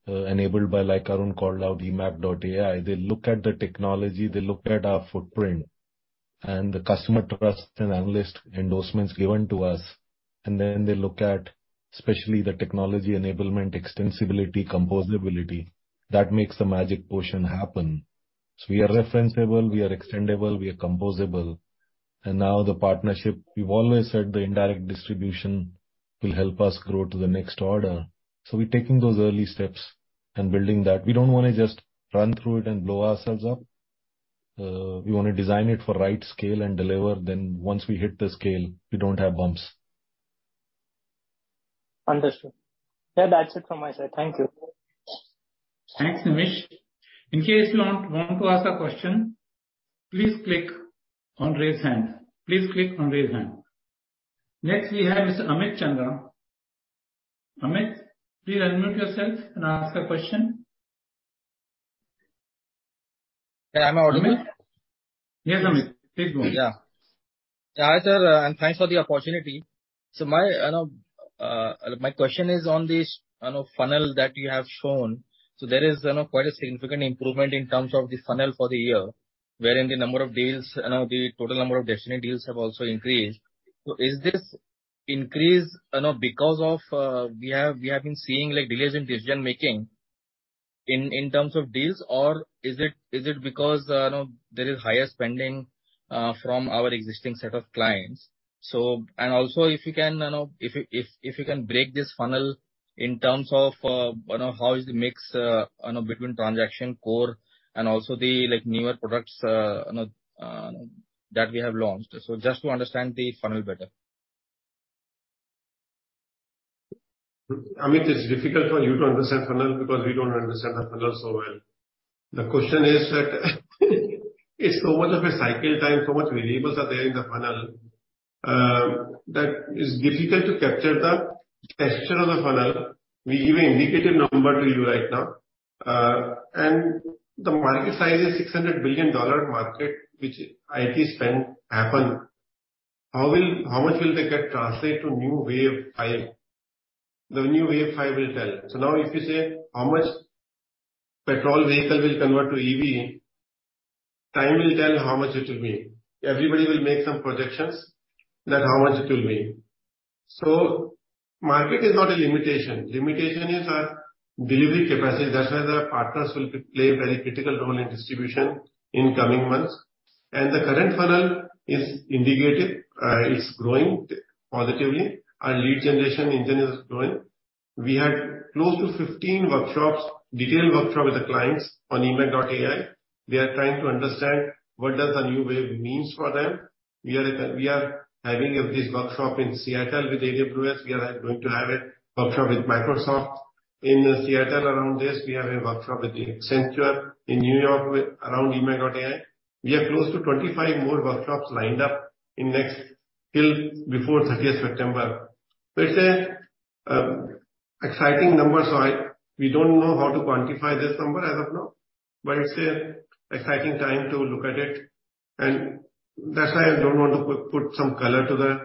enabled by, like Arun called out, eMACH.ai. They look at the technology, they look at our footprint and the customer trust and analyst endorsements given to us, and then they look at, especially the technology enablement, extensibility, composability, that makes the magic potion happen. We are referenceable, we are extendable, we are composable. Now the partnership, we've always said the indirect distribution will help us grow to the next order, so we're taking those early steps and building that. We don't want to just run through it and blow ourselves up. We want to design it for right scale and deliver, then once we hit the scale, we don't have bumps. Understood. Yeah, that's it from my side. Thank you. Thanks, Nimish. In case you want to ask a question, please click on Raise Hand. Please click on Raise Hand. Next, we have Mr. Amit Chandra. Amit, please unmute yourself and ask your question. Yeah, I'm audible? Yes, Amit. Please go on. Yeah. Hi, sir, thanks for the opportunity. My question is on this, on the funnel that you have shown. There is, you know, quite a significant improvement in terms of the funnel for the year, wherein the number of deals and the total number of definite deals have also increased. Is this increase, you know, because of we have, we have been seeing, like, delays in decision-making in terms of deals, or is it, is it because, you know, there is higher spending from our existing set of clients? Also, if you can, you know, if you, if, if you can break this funnel in terms of, you know, how is the mix, you know, between transaction core and also the, like, newer products, you know, that we have launched. Just to understand the funnel better. Amit, it's difficult for you to understand funnel because we don't understand the funnel so well. The question is that it's so much of a cycle time, so much variables are there in the funnel, that it's difficult to capture the texture of the funnel. We give an indicative number to you right now. The market size is a $600 billion market, which IT spend happen. How much will they get translate to new Wave 5? The new Wave 5 will tell. Now, if you say how much petrol vehicle will convert to EV, time will tell how much it will be. Everybody will make some projections that how much it will be. Market is not a limitation. Limitation is our delivery capacity. That's why the partners will play a very critical role in distribution in coming months. The current funnel is indicative, it's growing positively. Our lead generation engine is growing. We had close to 15 workshops, detailed workshop with the clients on eMACH.ai. We are trying to understand what does a new wave means for them. We are having of this workshop in Seattle with AWS. We are going to have a workshop with Microsoft in Seattle around this. We have a workshop with Accenture in New York with, around eMACH.ai. We have close to 25 more workshops lined up in next, till before 30th September. It's a exciting number, we don't know how to quantify this number as of now, but it's a exciting time to look at it, and that's why I don't want to put, put some color to the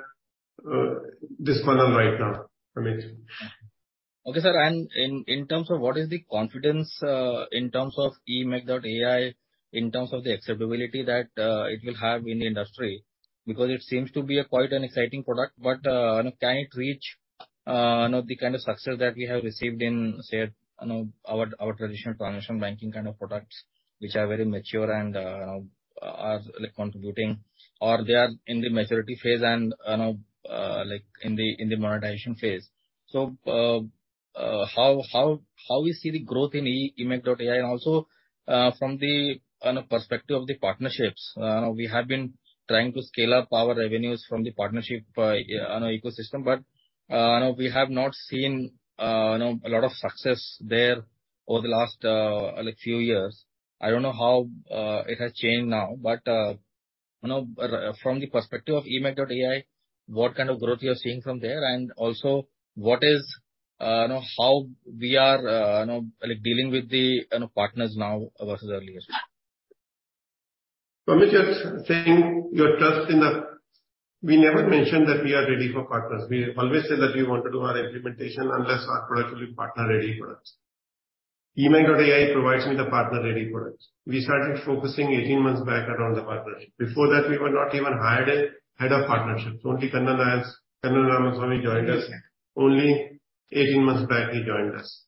this funnel right now, Amit. Okay, sir, and in, in terms of what is the confidence, in terms of eMACH.ai, in terms of the acceptability that, it will have in the industry, because it seems to be a quite an exciting product, but, can it reach, you know, the kind of success that we have received in, say, you know, our, our traditional transaction banking kind of products, which are very mature and, are contributing, or they are in the maturity phase and, like, in the, in the monetization phase? How, how, how we see the growth in eMACH.ai and also, from the, you know, perspective of the partnerships, we have been trying to scale up our revenues from the partnership, you know, ecosystem, but, you know, we have not seen, you know, a lot of success there over the last, like, few years. I don't know how it has changed now, but, you know, from the perspective of eMACH.ai, what kind of growth you are seeing from there? What is, you know, how we are, you know, like, dealing with the, you know, partners now versus earlier? Amit, you're saying your trust in the... We never mentioned that we are ready for partners. We always say that we want to do our implementation unless our product will be partner-ready products.... eMACH.ai provides me the partner-ready products. We started focusing 18 months back around the partnership. Before that, we were not even hired a head of partnerships. Only Kannan, Kannan Ramaswamy joined us here. Only 18 months back, he joined us.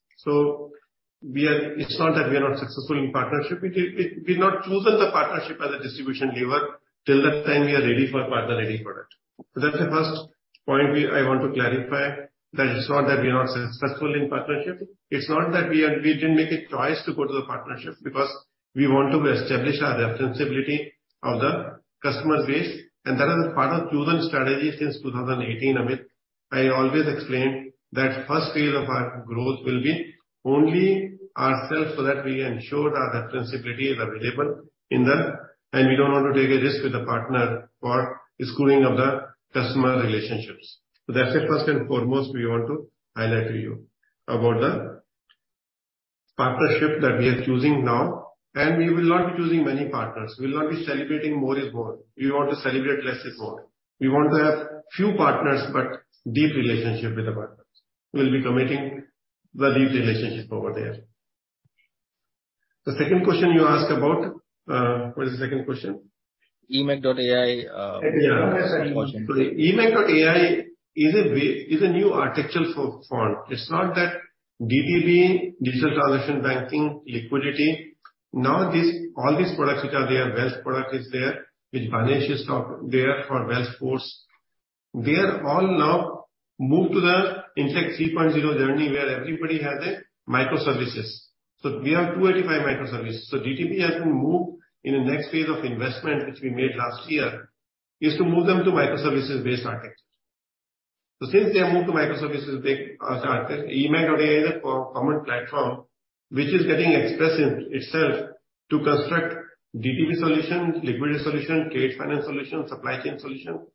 We are- it's not that we are not successful in partnership, we've not chosen the partnership as a distribution lever till the time we are ready for a partner-ready product. That's the first point we, I want to clarify, that it's not that we are not successful in partnership. It's not that we are, we didn't make a choice to go to the partnership, because we want to establish our referencability of the customer base, and that is a part of chosen strategy since 2018, Amit. I always explained that first phase of our growth will be only ourselves, so that we can ensure our referencability is available. We don't want to take a risk with the partner for screwing of the customer relationships. That's the first and foremost we want to highlight to you about the partnership that we are choosing now. We will not be choosing many partners. We will not be celebrating more is more. We want to celebrate less is more. We want to have few partners, but deep relationship with the partners. We'll be committing the deep relationship over there. The second question you asked about, what is the second question? eMACH.ai Yeah. eMACH.ai is a way, is a new architectural form. It's not that DTB, Digital Transaction Banking, liquidity. This, all these products which are there, wealth product is there, which Banesh is top there for wealth force. They are all now moved to the Intellect 3.0 journey, where everybody has a microservices. We have 285 microservices. DTB has to move in the next phase of investment, which we made last year, is to move them to microservices-based architecture. Since they have moved to microservices-based architecture, eMACH.ai is a common platform which is getting expressed in itself to construct DTB solution, liquidity solution, trade finance solution, supply chain solution,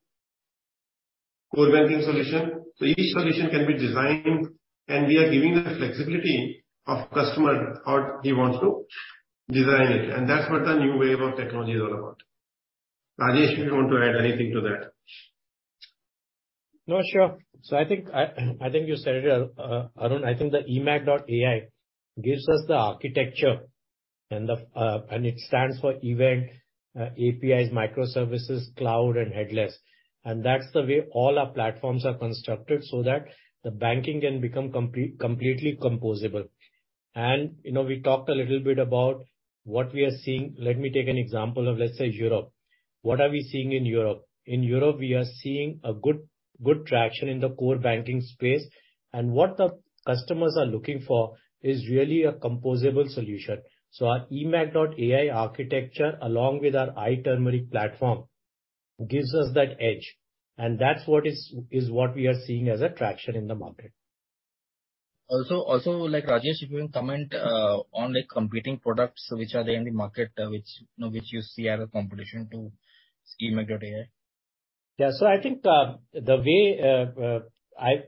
core banking solution. Each solution can be designed, and we are giving the flexibility of customer, how he wants to design it. That's what the new wave of technology is all about. Rajesh, if you want to add anything to that? No, sure. I think, I, I think you said it well, Arun. I think the eMACH.ai gives us the architecture and the, and it stands for event, APIs, microservices, cloud and headless. That's the way all our platforms are constructed, so that the banking can become completely composable. You know, we talked a little bit about what we are seeing. Let me take an example of, let's say, Europe. What are we seeing in Europe? In Europe, we are seeing a good, good traction in the core banking space, and what the customers are looking for is really a composable solution. Our eMACH.ai architecture, along with our iTurmeric platform, gives us that edge, and that's what is, is what we are seeing as a traction in the market. Also, also, like, Rajesh, if you can comment, on the competing products which are there in the market, which, you know, which you see as a competition to eMACH.ai. Yeah. I think the way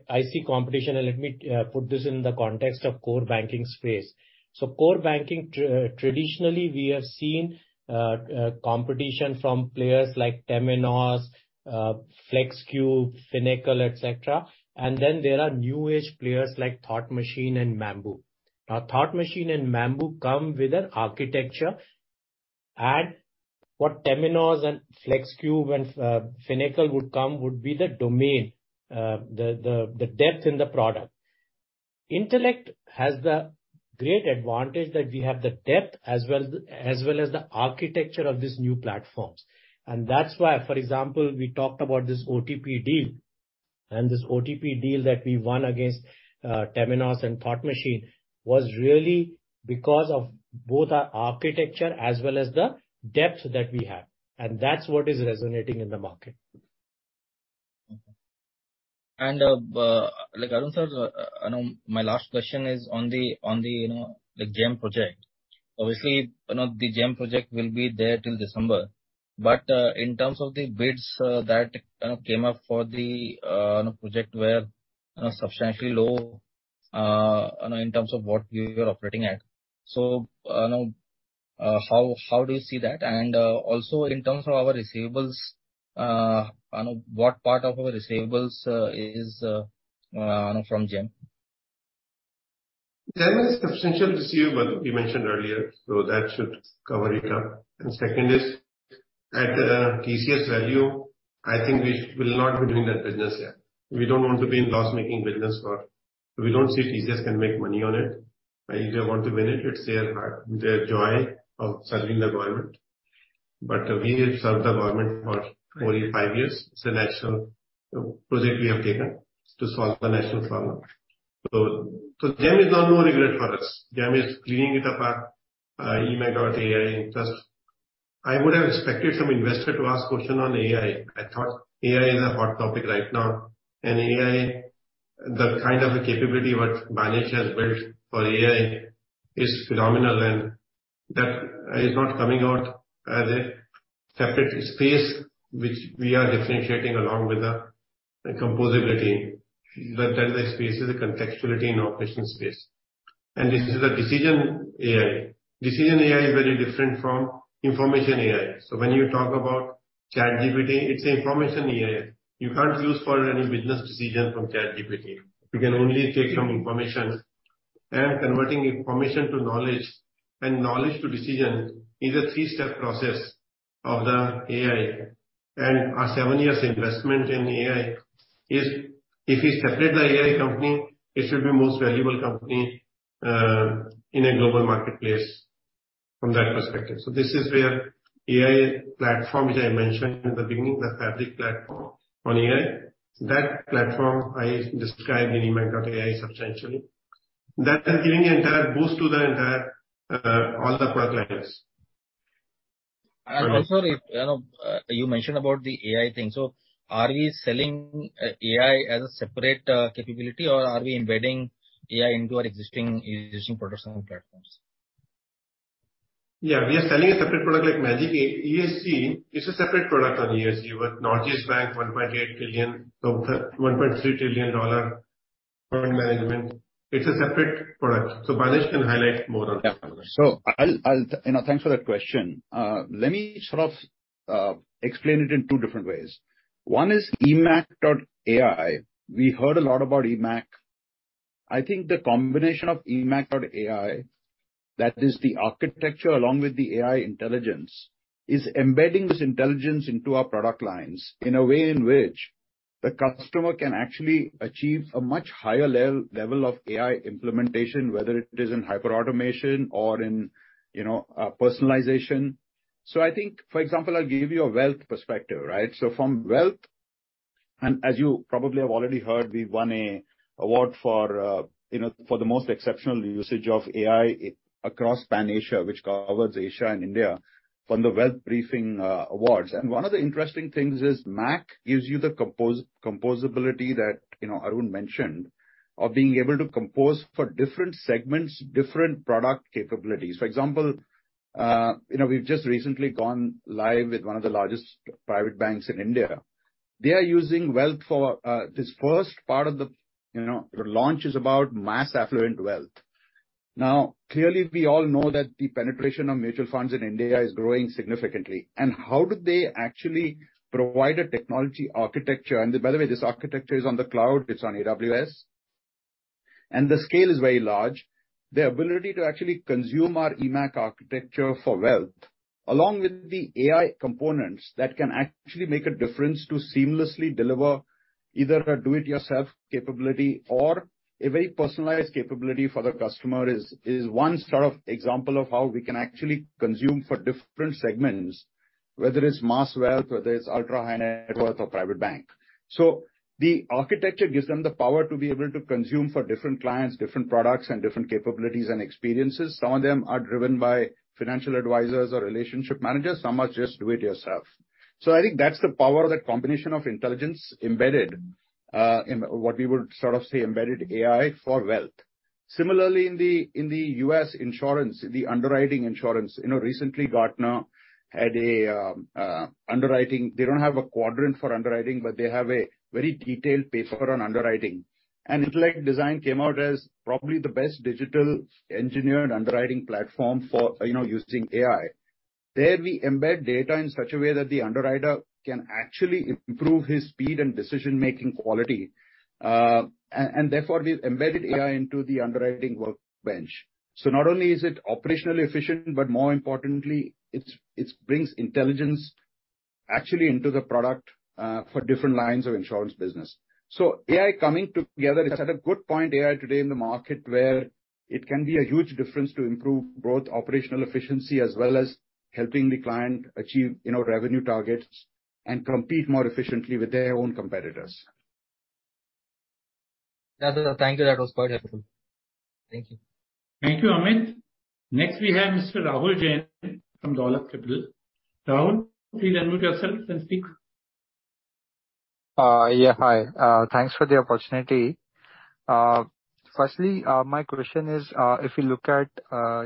I see competition, and let me put this in the context of core banking space. Core banking traditionally, we have seen competition from players like Temenos, FlexCube, Finacle, et cetera. Then there are new-age players, like Thought Machine and Mambu. Thought Machine and Mambu come with an architecture, and what Temenos and FlexCube and Finacle would come would be the domain, the, the, the depth in the product. Intellect has the great advantage that we have the depth as well as, as well as the architecture of these new platforms. That's why, for example, we talked about this OTP deal. This OTP deal that we won against, Temenos and Thought Machine, was really because of both our architecture as well as the depth that we have, and that's what is resonating in the market. Okay. Like, Arun sir, I know my last question is on the, on the, you know, the GEM project. Obviously, you know, the GEM project will be there till December, in terms of the bids that, you know, came up for the, you know, project were, you know, substantially low, you know, in terms of what you were operating at. Now, how, how do you see that? Also in terms of our receivables, I know what part of our receivables is, you know, from GEM? GEM is substantial receivable, you mentioned earlier, so that should cover it up. Second is, at TCS Value, I think we will not be doing that business yet. We don't want to be in loss-making business for... We don't see if TCS can make money on it, if they want to benefit their heart, their joy of serving the government. We have served the government for 45 years. It's a national project we have taken to solve the national problem. GEM is now no regret for us. GEM is cleaning it up our eMACH.ai interest. I would have expected some investor to ask question on AI. I thought AI is a hot topic right now, AI, the kind of a capability what Banesh has built for AI is phenomenal, and that is not coming out as a separate space, which we are differentiating along with the, the composability. That, that space is a contextuality in operation space. This is a Decision AI. Decision AI is very different from Information AI. When you talk about ChatGPT, it's an Information AI. You can't use for any business decision from ChatGPT. You can only take some information, and converting information to knowledge and knowledge to decision is a three-step process of the AI. Our 7 years investment in AI is, if you separate the AI company, it should be most valuable company in a global marketplace from that perspective. This is where AI platform, which I mentioned in the beginning, the fabric platform on AI, that platform I described in eMACH.ai substantially. That is giving an entire boost to the entire all the product lines. Also, if, you know, you mentioned about the AI thing, so are we selling, AI as a separate capability, or are we embedding AI into our existing, existing production platforms? Yeah, we are selling a separate product like Magic ESG. It's a separate product on ESG, with Nordea Bank, $1.8 trillion, $1.3 trillion fund management. It's a separate product, Manish can highlight more on that. Yeah. I'll, I'll... You know, thanks for that question. Let me sort of explain it in two different ways. One is eMACH.ai. We heard a lot about eMACH. I think the combination of eMACH.ai, that is the architecture along with the AI intelligence, is embedding this intelligence into our product lines in a way in which the customer can actually achieve a much higher level of AI implementation, whether it is in hyperautomation or in, you know, personalization. I think, for example, I'll give you a wealth perspective, right? From wealth, and as you probably have already heard, we won a award for, you know, for the most exceptional usage of AI across Pan-Asia, which covers Asia and India, from the WealthBriefing Awards. One of the interesting things is, MACH gives you the composability that, you know, Arun mentioned, of being able to compose for different segments, different product capabilities. For example, you know, we've just recently gone live with one of the largest private banks in India. They are using wealth for, this first part of the, you know, the launch is about mass affluent wealth. Now, clearly, we all know that the penetration of mutual funds in India is growing significantly. How do they actually provide a technology architecture? By the way, this architecture is on the cloud, it's on AWS. The scale is very large. The ability to actually consume our eMACH architecture for wealth, along with the AI components that can actually make a difference to seamlessly deliver either a do-it-yourself capability or a very personalized capability for the customer, is one sort of example of how we can actually consume for different segments, whether it's mass wealth, whether it's ultra high net worth or private bank. The architecture gives them the power to be able to consume for different clients, different products, and different capabilities and experiences. Some of them are driven by financial advisors or relationship managers, some are just do-it-yourself. I think that's the power of that combination of intelligence embedded in what we would sort of say, embedded AI for wealth. Similarly, in the U.S. insurance, the underwriting insurance, you know, recently Gartner had a underwriting... They don't have a quadrant for underwriting, but they have a very detailed paper on underwriting. Intellect Design came out as probably the best digital engineered underwriting platform for, you know, using AI. There, we embed data in such a way that the underwriter can actually improve his speed and decision-making quality, and therefore we've embedded AI into the underwriting workbench. Not only is it operationally efficient, but more importantly, it's, it brings intelligence actually into the product, for different lines of insurance business. AI coming together, it's at a good point, AI, today in the market, where it can be a huge difference to improve both operational efficiency as well as helping the client achieve, you know, revenue targets and compete more efficiently with their own competitors. Thank you. That was quite helpful. Thank you. Thank you, Amit. Next, we have Mr. Rahul Jain from Dolat Capital. Rahul, please unmute yourself and speak. Yeah, hi. Thanks for the opportunity. Firstly, my question is, if you look at,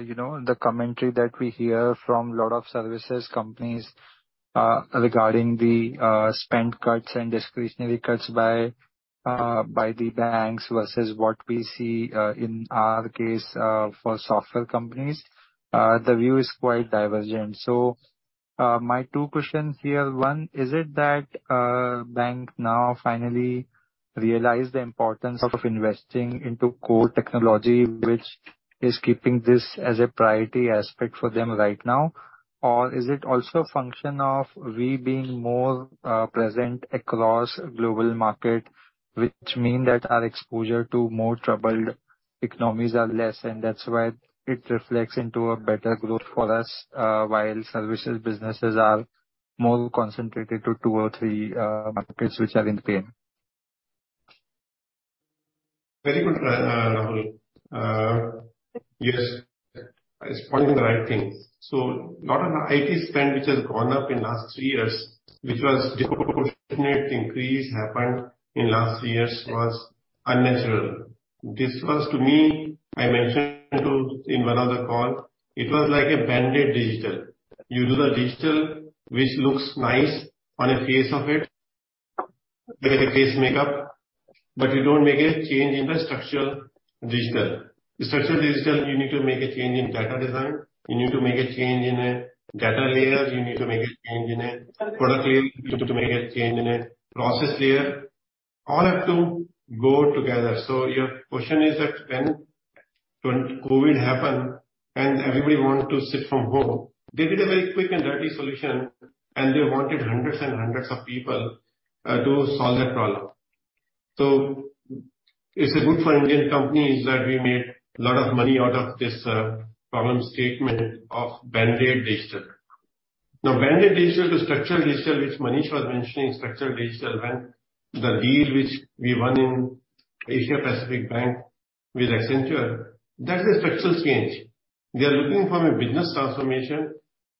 you know, the commentary that we hear from a lot of services companies, regarding the spend cuts and discretionary cuts by by the banks versus what we see, in our case, for software companies, the view is quite divergent. My two questions here: One, is it that banks now finally realize the importance of investing into core technology, which is keeping this as a priority aspect for them right now? Is it also a function of we being more present across global market, which mean that our exposure to more troubled economies are less, and that's why it reflects into a better growth for us, while services businesses are more concentrated to two or three markets which are in pain? Very good, Ra- Rahul. Yes, it's pointing the right thing. A lot of the IT spend, which has gone up in last 3 years, which was disproportionate increase happened in last 3 years, was unnatural. This was, to me, I mentioned to, in one other call, it was like a band-aid digital. You do the digital, which looks nice on the face of it- like a face makeup, but you don't make a change in the structural digital. The structural digital, you need to make a change in data design, you need to make a change in a data layers, you need to make a change in a product layer, you need to make a change in a process layer. All have to go together. Your question is that when COVID happened and everybody want to sit from home, they did a very quick and dirty solution, and they wanted hundreds and hundreds of people to solve that problem. It's a good for Indian companies that we made a lot of money out of this problem statement of band-aid digital. Band-aid digital to structural digital, which Manish was mentioning, structural digital, when the deal which we won in Asia Pacific Bank with Accenture, that's a structural change. They are looking from a business transformation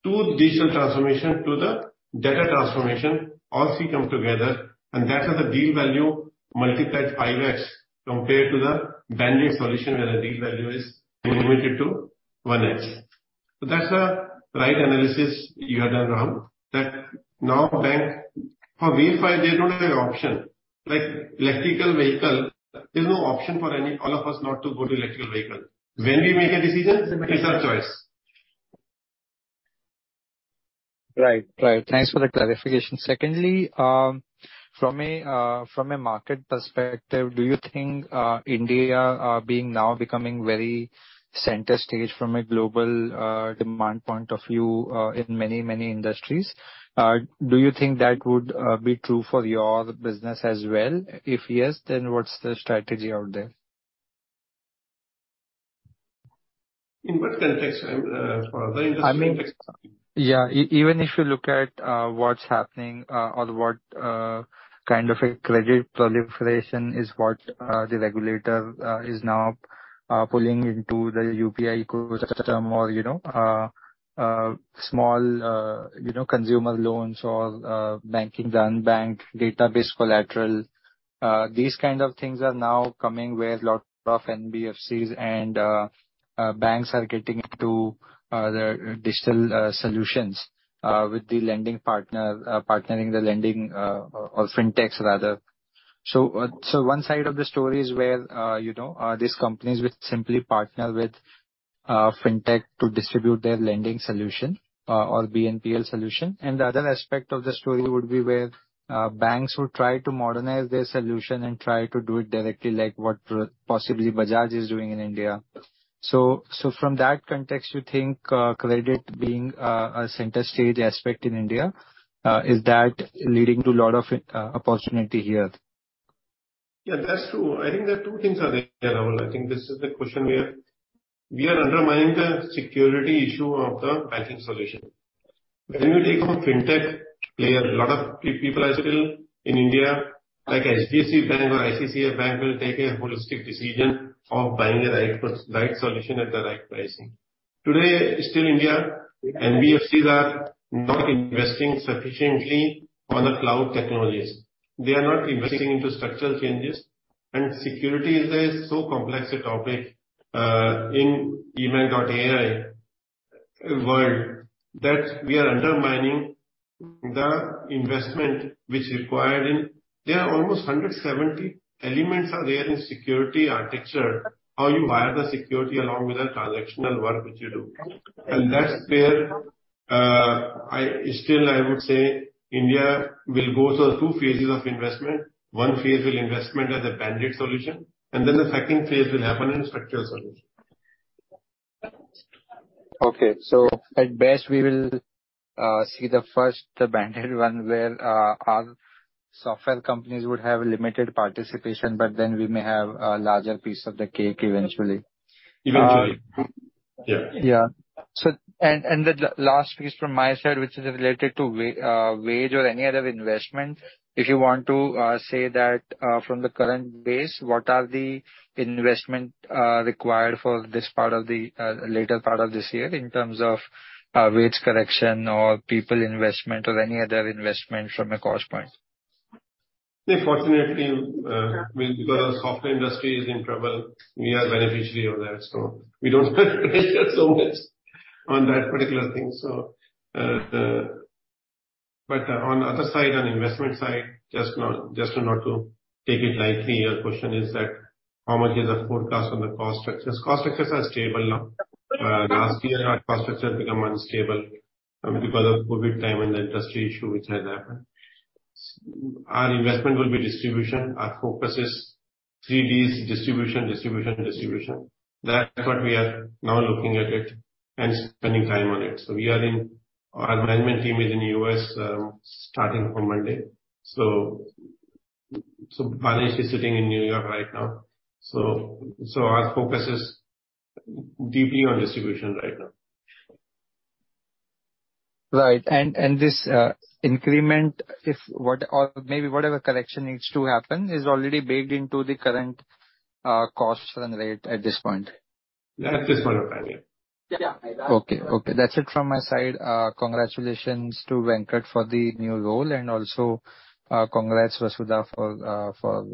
to digital transformation, to the data transformation. All three come together, that is the deal value multiplies 5x compared to the band-aid solution, where the deal value is limited to 1x. That's the right analysis you have done, Rahul, that now bank, for Wi-Fi, they don't have an option. Like electric vehicle, there's no option for any, all of us not to go to electric vehicle. When we make a decision, it's our choice. Right. Right. Thanks for the clarification. Secondly, from a from a market perspective, do you think India being now becoming very center stage from a global demand point of view, in many, many industries, do you think that would be true for your business as well? If yes, then what's the strategy out there? In what context, Rahul, the industry context? I mean, Yeah, even if you look at what's happening or what kind of a credit proliferation is what the regulator is now pulling into the UPI ecosystem or, you know, small, you know, consumer loans or banking, done bank, data-based collateral. These kind of things are now coming where lot of NBFCs and banks are getting into the digital solutions with the lending partner, partnering the lending, or fintechs rather. One side of the story is where, you know, these companies which simply partner with fintech to distribute their lending solution or BNPL solution. The other aspect of the story would be where, banks would try to modernize their solution and try to do it directly, like what possibly Bajaj is doing in India. From that context, you think credit being a center stage aspect in India is that leading to a lot of opportunity here? Yeah, that's true. I think there are two things are there, Rahul. I think this is the question where we are undermining the security issue of the banking solution. When you take a fintech player, a lot of people are still in India, like HSBC Bank or ICICI Bank, will take a holistic decision of buying the right solution at the right pricing. Today, still India, NBFCs are not investing sufficiently on the cloud technologies. They are not investing into structural changes, and security is a so complex a topic, in email or AI world, that we are undermining the investment which required in. There are almost 170 elements are there in security architecture, how you wire the security along with the transactional work which you do. That's where, still I would say India will go through two phases of investment. One phase will investment as a band-aid solution, and then the second phase will happen in structural solution. Okay. At best, we will see the first, the band-aid one, where our software companies would have limited participation, but then we may have a larger piece of the cake eventually. Eventually. Yeah. The last piece from my side, which is related to wage or any other investment, if you want to say that, from the current base, what are the investment required for this part of the later part of this year in terms of wage correction or people investment or any other investment from a cost point? Yeah, fortunately, we, because software industry is in trouble, we are beneficiary of that, so we don't spend so much on that particular thing. On other side, on investment side, just not, just to not to take it lightly, your question is that how much is the forecast on the cost structures? Cost structures are stable now. Last year, our cost structures become unstable, because of COVID time and the industry issue which had happened. Our investment will be distribution. Our focus is three Ds, distribution, distribution, distribution. That's what we are now looking at it and spending time on it. We are in, our management team is in the US, starting from Monday. Manish is sitting in New York right now. Our focus is deeply on distribution right now. Right. And this increment, if what or maybe whatever correction needs to happen, is already baked into the current costs run rate at this point? At this point of time, yeah. Yeah. Okay. Okay, that's it from my side. Congratulations to Venkat for the new role and also, congrats, Vasudha, for, for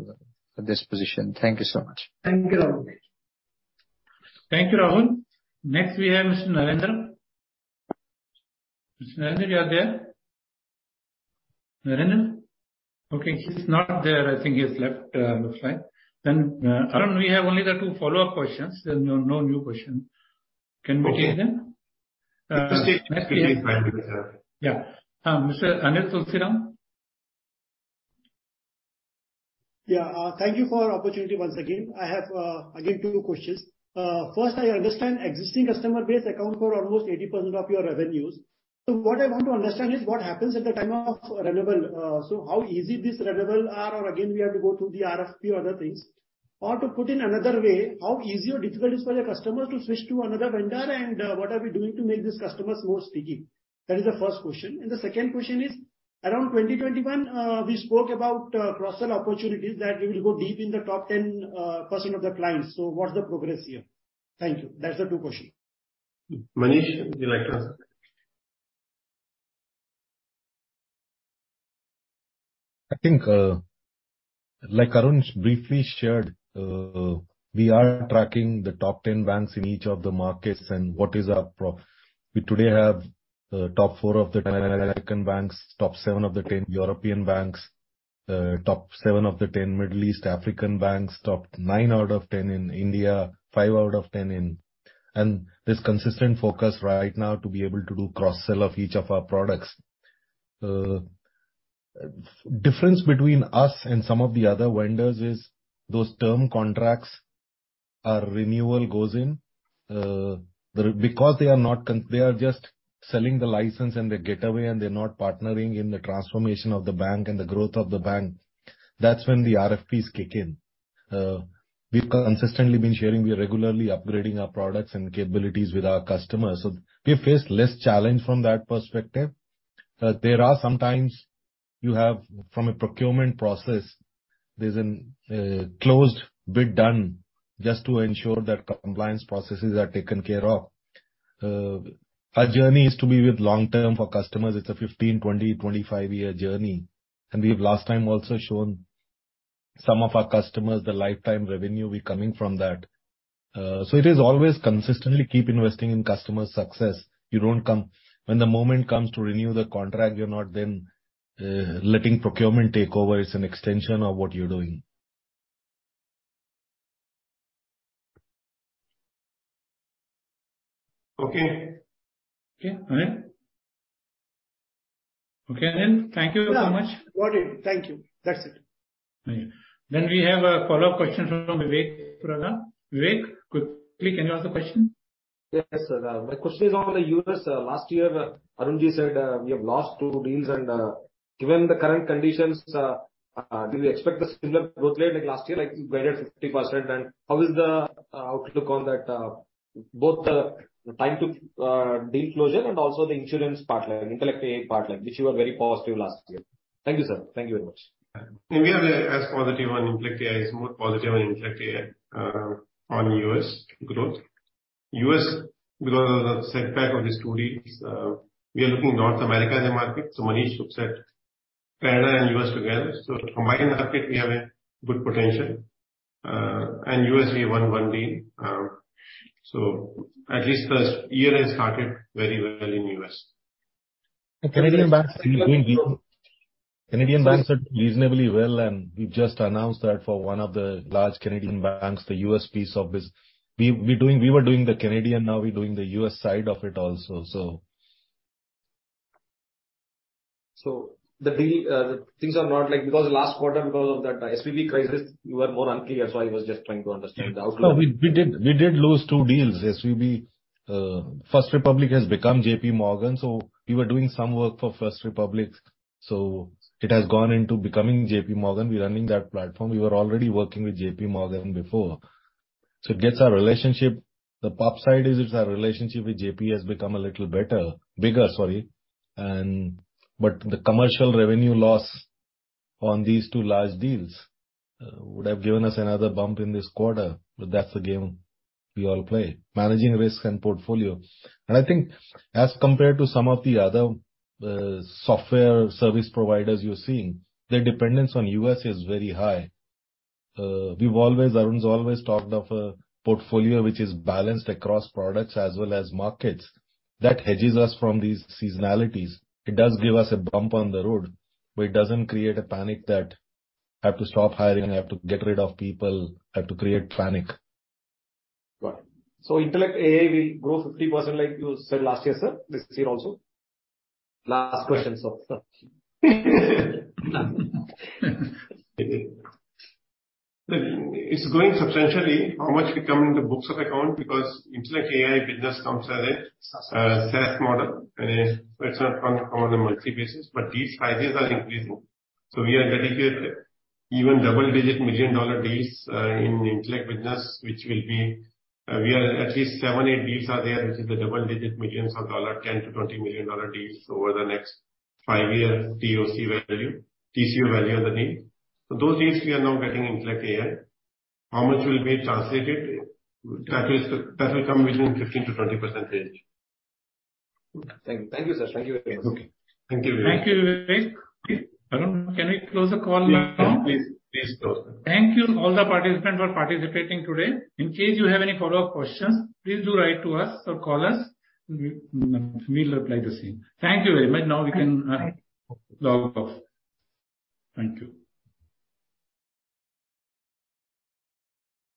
this position. Thank you so much. Thank you, Rahul. Thank you, Rahul. Next, we have Mr. Narendra.... Mr. Anand, you are there? Anand? Okay, he's not there. I think he's left, looks like. Arun, we have only the two follow-up questions, there's no, no new question. Can we take them? Okay. It is fine, because. Yeah. Mr. Amit Shriram? Yeah. Thank you for the opportunity once again. I have, again, 2 questions. First, I understand existing customer base accounts for almost 80% of your revenues. What I want to understand is what happens at the time of renewable. How easy this renewable are, or again, we have to go through the RFP or other things? To put in another way, how easy or difficult is for your customers to switch to another vendor, and, what are we doing to make these customers more sticky? That is the first question. The second question is, around 2021, we spoke about cross-sell opportunities that we will go deep in the top 10% of the clients. What's the progress here? Thank you. That's the 2 question. Manish, would you like to answer? I think, like Arun briefly shared, we are tracking the top 10 banks in each of the markets. We today have top four of the 10 American banks, top seven of the 10 European banks, top seven of the 10 Middle East African banks, top nine out of 10 in India, five out of 10 in... There's consistent focus right now to be able to do cross-sell of each of our products. Difference between us and some of the other vendors is, those term contracts, our renewal goes in, the, because they are not they are just selling the license and they get away, and they're not partnering in the transformation of the bank and the growth of the bank. That's when the RFPs kick in. We've consistently been sharing, we are regularly upgrading our products and capabilities with our customers, so we face less challenge from that perspective. There are sometimes you have, from a procurement process, there's an closed bid done just to ensure that compliance processes are taken care of. Our journey is to be with long-term for customers. It's a 15, 20, 25-year journey. We've last time also shown some of our customers the lifetime revenue be coming from that. It is always consistently keep investing in customer success. You don't when the moment comes to renew the contract, you're not then letting procurement take over, it's an extension of what you're doing. Okay. Okay, Anand? Okay, Anand, thank you so much. Got it. Thank you. That's it. We have a follow-up question from Vivek Turaga. Vivek, quickly, can you ask the question? Yes, sir. My question is on the U.S. Last year, Arun Jain said, "We have lost two deals," and, given the current conditions, do you expect the similar growth rate like last year, like greater 50%? How is the outlook on that, both the time to deal closure and also the insurance partner, IntellectAI partner, which you were very positive last year? Thank you, sir. Thank you very much. We are as positive on IntellectAI is more positive on IntellectAI on U.S. growth. U.S., because of the setback of these 2 deals, we are looking North America as a market, Manish looks at Canada and U.S. together. Combined market, we have a good potential, and U.S., we won 1 deal. At least the year has started very well in U.S. Canadian banks, Canadian banks are reasonably well, and we've just announced that for one of the large Canadian banks, the US piece of business. We, we were doing the Canadian, now we're doing the US side of it also, so. The deal, things are not like... Because last quarter, because of that SVB crisis, you were more unclear, so I was just trying to understand the outlook. We did lose 2 deals. SVB, First Republic has become JP Morgan. We were doing some work for First Republic. It has gone into becoming JP Morgan. We're running that platform. We were already working with JP Morgan before. It gets our relationship. The pop side is our relationship with JP has become a little better, bigger, sorry. The commercial revenue loss on these 2 large deals would have given us another bump in this quarter. That's the game we all play, managing risk and portfolio. I think as compared to some of the other software service providers you're seeing, their dependence on U.S. is very high. We've always, Arun's always talked of a portfolio which is balanced across products as well as markets. That hedges us from these seasonalities. It does give us a bump on the road, but it doesn't create a panic that I have to stop hiring, I have to get rid of people, I have to create panic. Got it. IntellectAI will grow 50%, like you said last year, sir, this year also? Last question, so, It's growing substantially. How much become in the books of account because IntellectAI business comes as a SaaS model, so it's not come on a monthly basis. Deal sizes are increasing. We are getting a even double-digit million-dollar deals in Intellect business, which will be, we are at least 7, 8 deals are there, which is the double-digit millions of dollars, $10 million-$20 million deals over the next 5 years, DOC value, TCO value of the deal. Those deals we are now getting IntellectAI. How much will be translated? That is, that will come between 15%-20%. Thank you, sir. Thank you very much. Okay. Thank you, Vivek. Thank you, Vivek. Arun, can we close the call now? Please, please close. Thank you all the participants who are participating today. In case you have any follow-up questions, please do write to us or call us, we, we'll reply the same. Thank you very much. Now we can log off. Thank you.